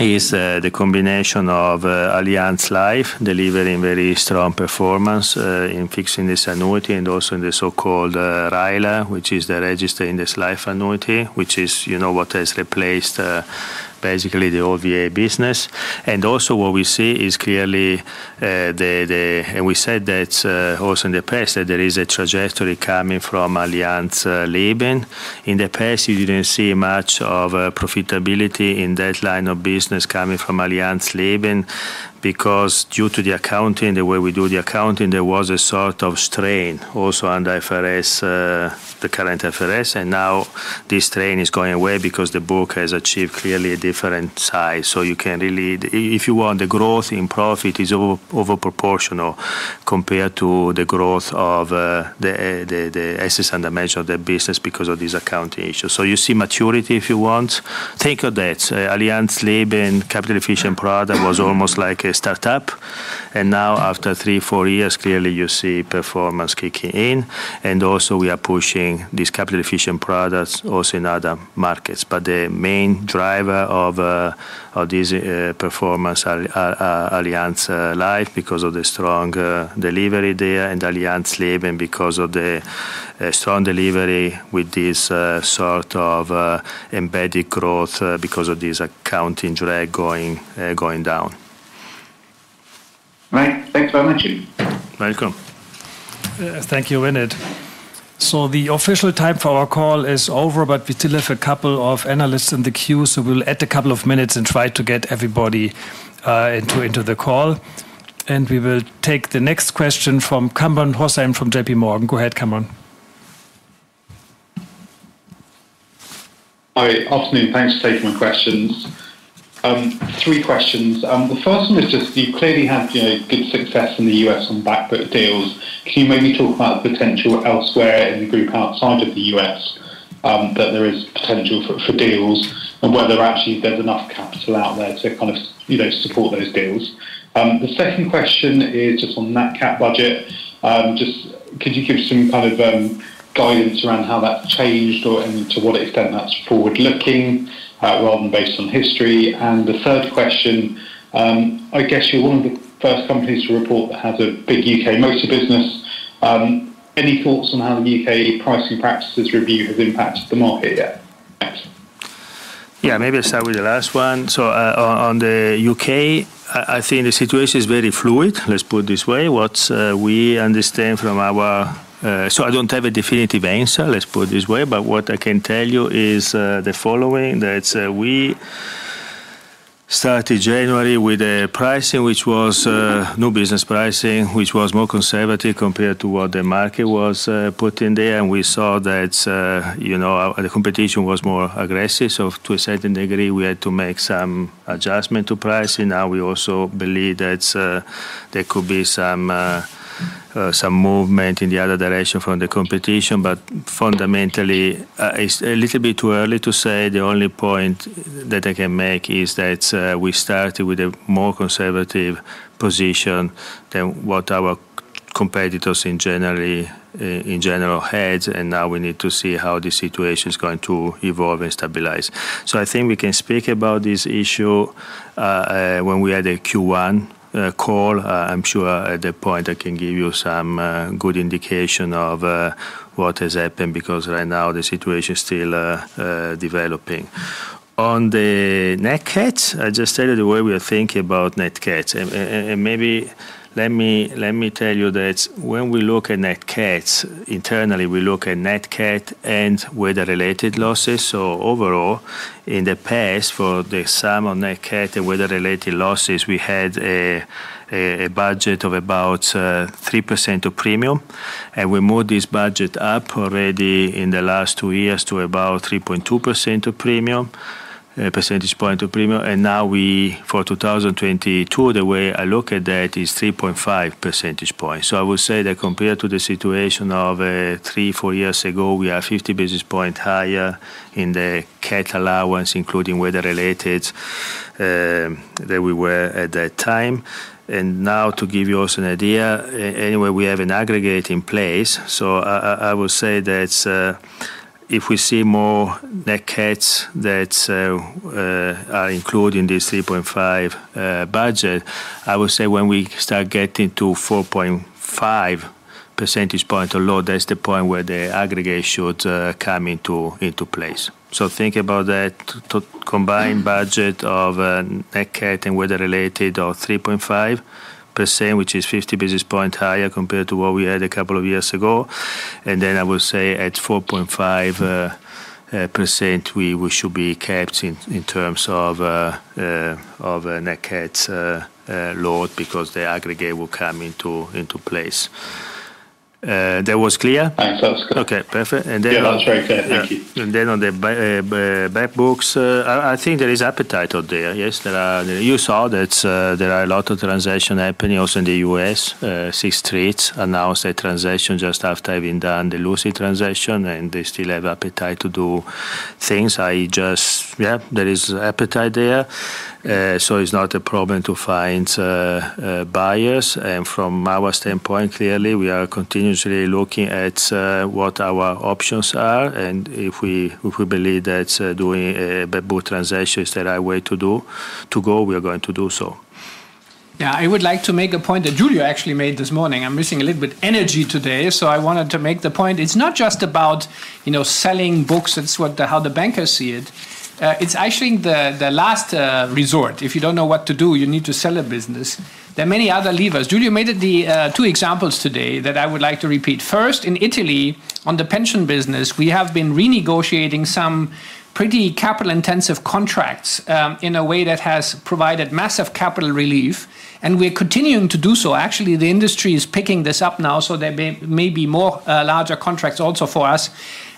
is the combination of Allianz Life delivering very strong performance in fixed index annuity and also in the so-called RILA, which is the registered index-linked annuity, which is, you know, what has replaced basically the VA business. Also what we see is clearly, and we said that also in the past, that there is a trajectory coming from Allianz Leben. In the past, you didn't see much of a profitability in that line of business coming from Allianz Leben because due to the accounting, the way we do the accounting, there was a sort of strain also under the current IFRS. Now this strain is going away because the book has achieved clearly a different size. You can really. If you want, the growth in profit is over-proportional compared to the growth of the assets under management of the business because of these accounting issues. You see maturity, if you want. Think of that. Allianz Leben capital-efficient product was almost like a startup. Now after three, four years, clearly you see performance kicking in. We are pushing these capital-efficient products also in other markets. The main driver of this performance are Allianz Life, because of the strong delivery there and Allianz Leben because of the strong delivery with this sort of embedded growth because of this accounting drag going down. Right. Thanks very much. Welcome. Thank you, Vinit. The official time for our call is over, but we still have a couple of analysts in the queue, so we'll add a couple of minutes and try to get everybody into the call. We will take the next question from Kamran Hossain from JPMorgan. Go ahead, Kamran. Hi. Afternoon. Thanks for taking my questions. Three questions. The first one is just you clearly had, you know, good success in the U.S. on back book deals. Can you maybe talk about the potential elsewhere in the group outside of the U.S., that there is potential for deals and whether actually there's enough capital out there to kind of, you know, support those deals? The second question is just on net cat budget. Just could you give some kind of guidance around how that changed and to what extent that's forward-looking rather than based on history? The third question, I guess you're one of the first companies to report that has a big U.K. motor business. Any thoughts on how the U.K. pricing practices review has impacted the market yet? Thanks. Yeah. Maybe I'll start with the last one. On the U.K., I think the situation is very fluid, let's put it this way. I don't have a definitive answer, let's put it this way, but what I can tell you is the following, that we, started January with a pricing which was new business pricing, which was more conservative compared to what the market was putting there. We saw that, you know, the competition was more aggressive. To a certain degree, we had to make some adjustment to pricing. Now we also believe that there could be some movement in the other direction from the competition. Fundamentally, it's a little bit too early to say. The only point that I can make is that we started with a more conservative position, than what our competitors in general had, and now we need to see how the situation is going to evolve and stabilize. I think we can speak about this issue when we have the Q1 call. I'm sure at that point I can give you some good indication of what has happened, because right now the situation is still developing. On the net cats, I just stated the way we are thinking about net cats. Maybe let me tell you that when we look at net cats, internally we look at net cat and weather-related losses. Overall, in the past, for the sum on net cat and weather-related losses, we had a budget of about 3% of premium. We moved this budget up already in the last two years to about 3.2% of premium, percentage point of premium. Now we, for 2022, the way I look at that is 3.5 percentage points. I would say that compared to the situation of three or four years ago, we are 50 basis points higher in the cat allowance, including weather-related, than we were at that time. Now to give you also an idea, anyway, we have an aggregate in place, so I will say that if we see more nat cats that are included in this 3.5 budget, I would say when we start getting to 4.5 percentage points or lower, that's the point where the aggregate should come into place. Think about that two combined budget of net cat and weather-related of 3.5%, which is 50 basis points higher compared to what we had a couple of years ago. Then I would say at 4.5% we should be capped in terms of net cats load because the aggregate will come into place. That was clear? That sounds clear. Okay, perfect. Yeah, that was very clear. Thank you. Then on the back books, I think there is appetite out there, yes. There are a lot of transactions happening also in the U.S. Sixth Street announced a transaction just after having done the Lucy transaction, and they still have appetite to do things. Yeah, there is appetite there. So it's not a problem to find buyers. From our standpoint, clearly we are continuously looking at what our options are, and if we believe that doing a back book transaction is the right way to go, we are going to do so. I would like to make a point that Giulio actually made this morning. I'm missing a little bit energy today, so I wanted to make the point. It's not just about, you know, selling books. It's how the bankers see it. It's actually the last resort. If you don't know what to do, you need to sell a business. There are many other levers. Giulio made the two examples today that I would like to repeat. First, in Italy, on the pension business, we have been renegotiating some pretty capital-intensive contracts, in a way that has provided massive capital relief, and we're continuing to do so. Actually, the industry is picking this up now, so there may be more larger contracts also for us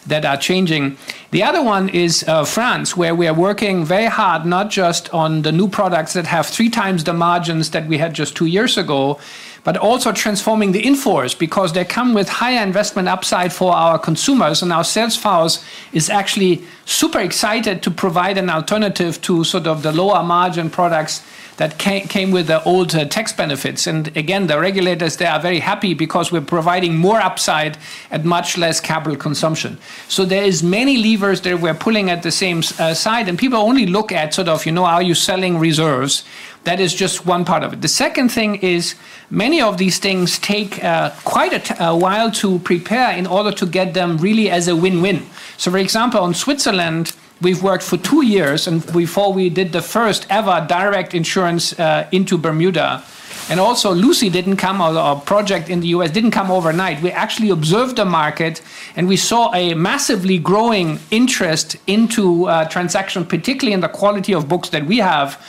that are changing. The other one is France, where we are working very hard, not just on the new products that have three times the margins that we had just two years ago, but also transforming the in-force because they come with higher investment upside for our consumers. Our sales force is actually super excited to provide an alternative to sort of the lower margin products that came with the older tax benefits. Again, the regulators there are very happy because we're providing more upside at much less capital consumption. There is many levers that we're pulling at the same side, and people only look at sort of, you know, are you selling reserves? That is just one part of it. The second thing is many of these things take quite a while to prepare in order to get them really as a win-win. For example, in Switzerland, we've worked for two years and before we did the first ever direct insurance into Bermuda. Lucy didn't come. Our project in the U.S. didn't come overnight. We actually observed the market, and we saw a massively growing interest into transactions, particularly in the quality of books that we have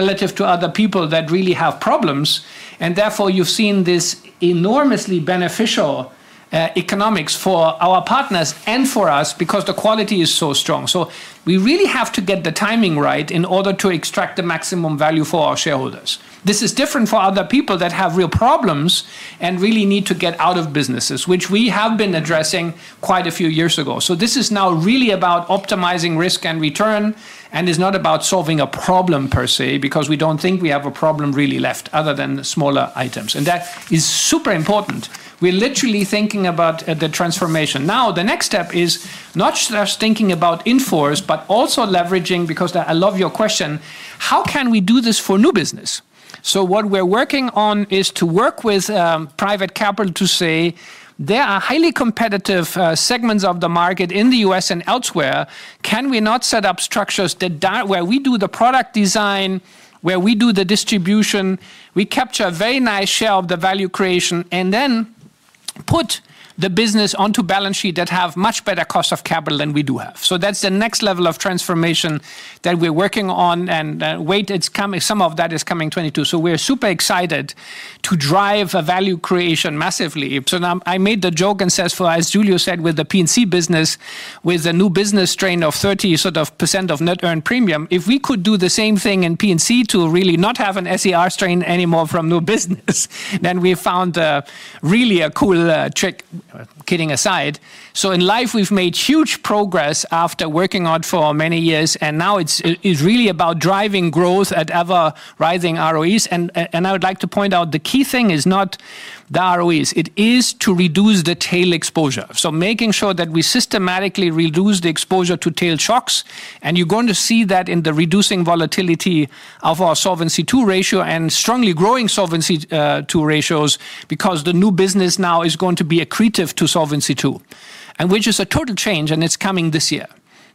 relative to other people that really have problems. You've seen this enormously beneficial economics for our partners and for us because the quality is so strong. We really have to get the timing right in order to extract the maximum value for our shareholders. This is different for other people that have real problems and really need to get out of businesses, which we have been addressing quite a few years ago. This is now really about optimizing risk and return, and it's not about solving a problem per se because we don't think we have a problem really left other than smaller items. That is super important. We're literally thinking about the transformation. Now, the next step is not just thinking about in-force but also leveraging because I love your question, how can we do this for new business? What we're working on is to work with private capital to say there are highly competitive segments of the market in the U.S. and elsewhere. Can we not set up structures that where we do the product design, where we do the distribution? We capture a very nice share of the value creation and then, put the business onto balance sheet that have much better cost of capital than we do have. That's the next level of transformation that we're working on. It's coming. Some of that is coming 2022. We're super excited to drive value creation massively. Now I made the joke and says, for as Giulio said, with the P&C business, with the new business strain of 30% of net earned premium, if we could do the same thing in P&C to really not have an SCR strain anymore from new business, then we found a really a cool trick. Kidding aside. In life we've made huge progress after working hard for many years, and now it's really about driving growth at ever rising ROEs. I would like to point out the key thing is not the ROEs, it is to reduce the tail exposure. Making sure that we systematically reduce the exposure to tail shocks, and you're going to see that in the reducing volatility of our Solvency II ratio and strongly growing Solvency II ratios, because the new business now is going to be accretive to Solvency II, and which is a total change and it's coming this year,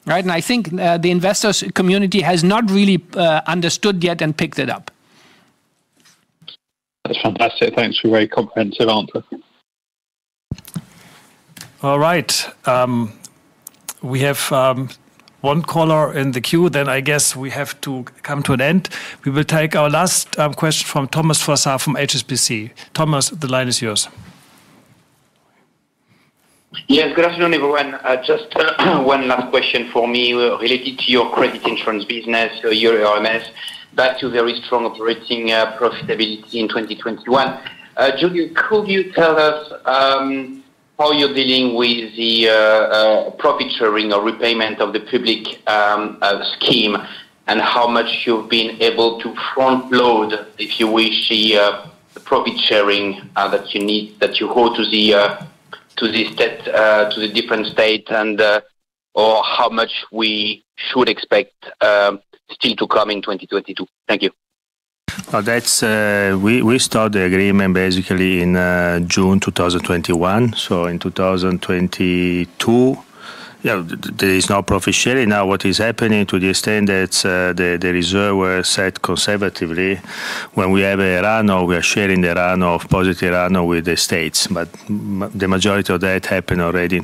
right? I think the investor community has not really understood yet and picked it up. That's fantastic. Thanks for a very comprehensive answer. All right. We have one caller in the queue, then I guess we have to come to an end. We will take our last question from Thomas Fossard from HSBC. Thomas, the line is yours. Yes. Good afternoon, everyone. Just one last question for me related to your credit insurance business or your RMS back to very strong operating profitability in 2021. Giulio, could you tell us how you're dealing with the profit sharing or repayment of the public scheme, and how much you've been able to front load, if you wish, the profit sharing that you need that you owe to the state to the different state and or how much we should expect still to come in 2022? Thank you. We start the agreement basically in June 2021. In 2022, there is no profit sharing. Now, what is happening to the extent that the reserve were set conservatively, when we have a run-off, we are sharing the run-off of positive run-off with the states. The majority of that happened already in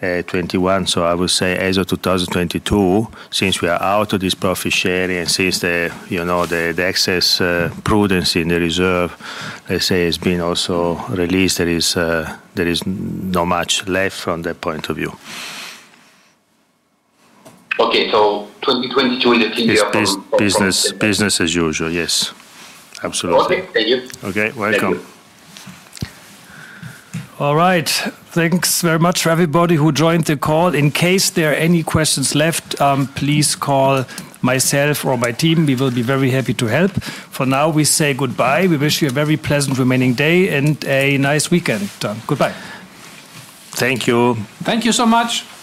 2021. I would say as of 2022, since we are out of this profit sharing and since you know the excess prudence in the reserve, let's say, is being also released, there is not much left from that point of view. Okay. 2022 is a clean year from- Business, business as usual. Yes. Absolutely. Okay. Thank you. Okay. Welcome. All right. Thanks very much for everybody who joined the call. In case there are any questions left, please call myself or my team. We will be very happy to help. For now, we say goodbye. We wish you a very pleasant remaining day and a nice weekend. Goodbye. Thank you. Thank you so much.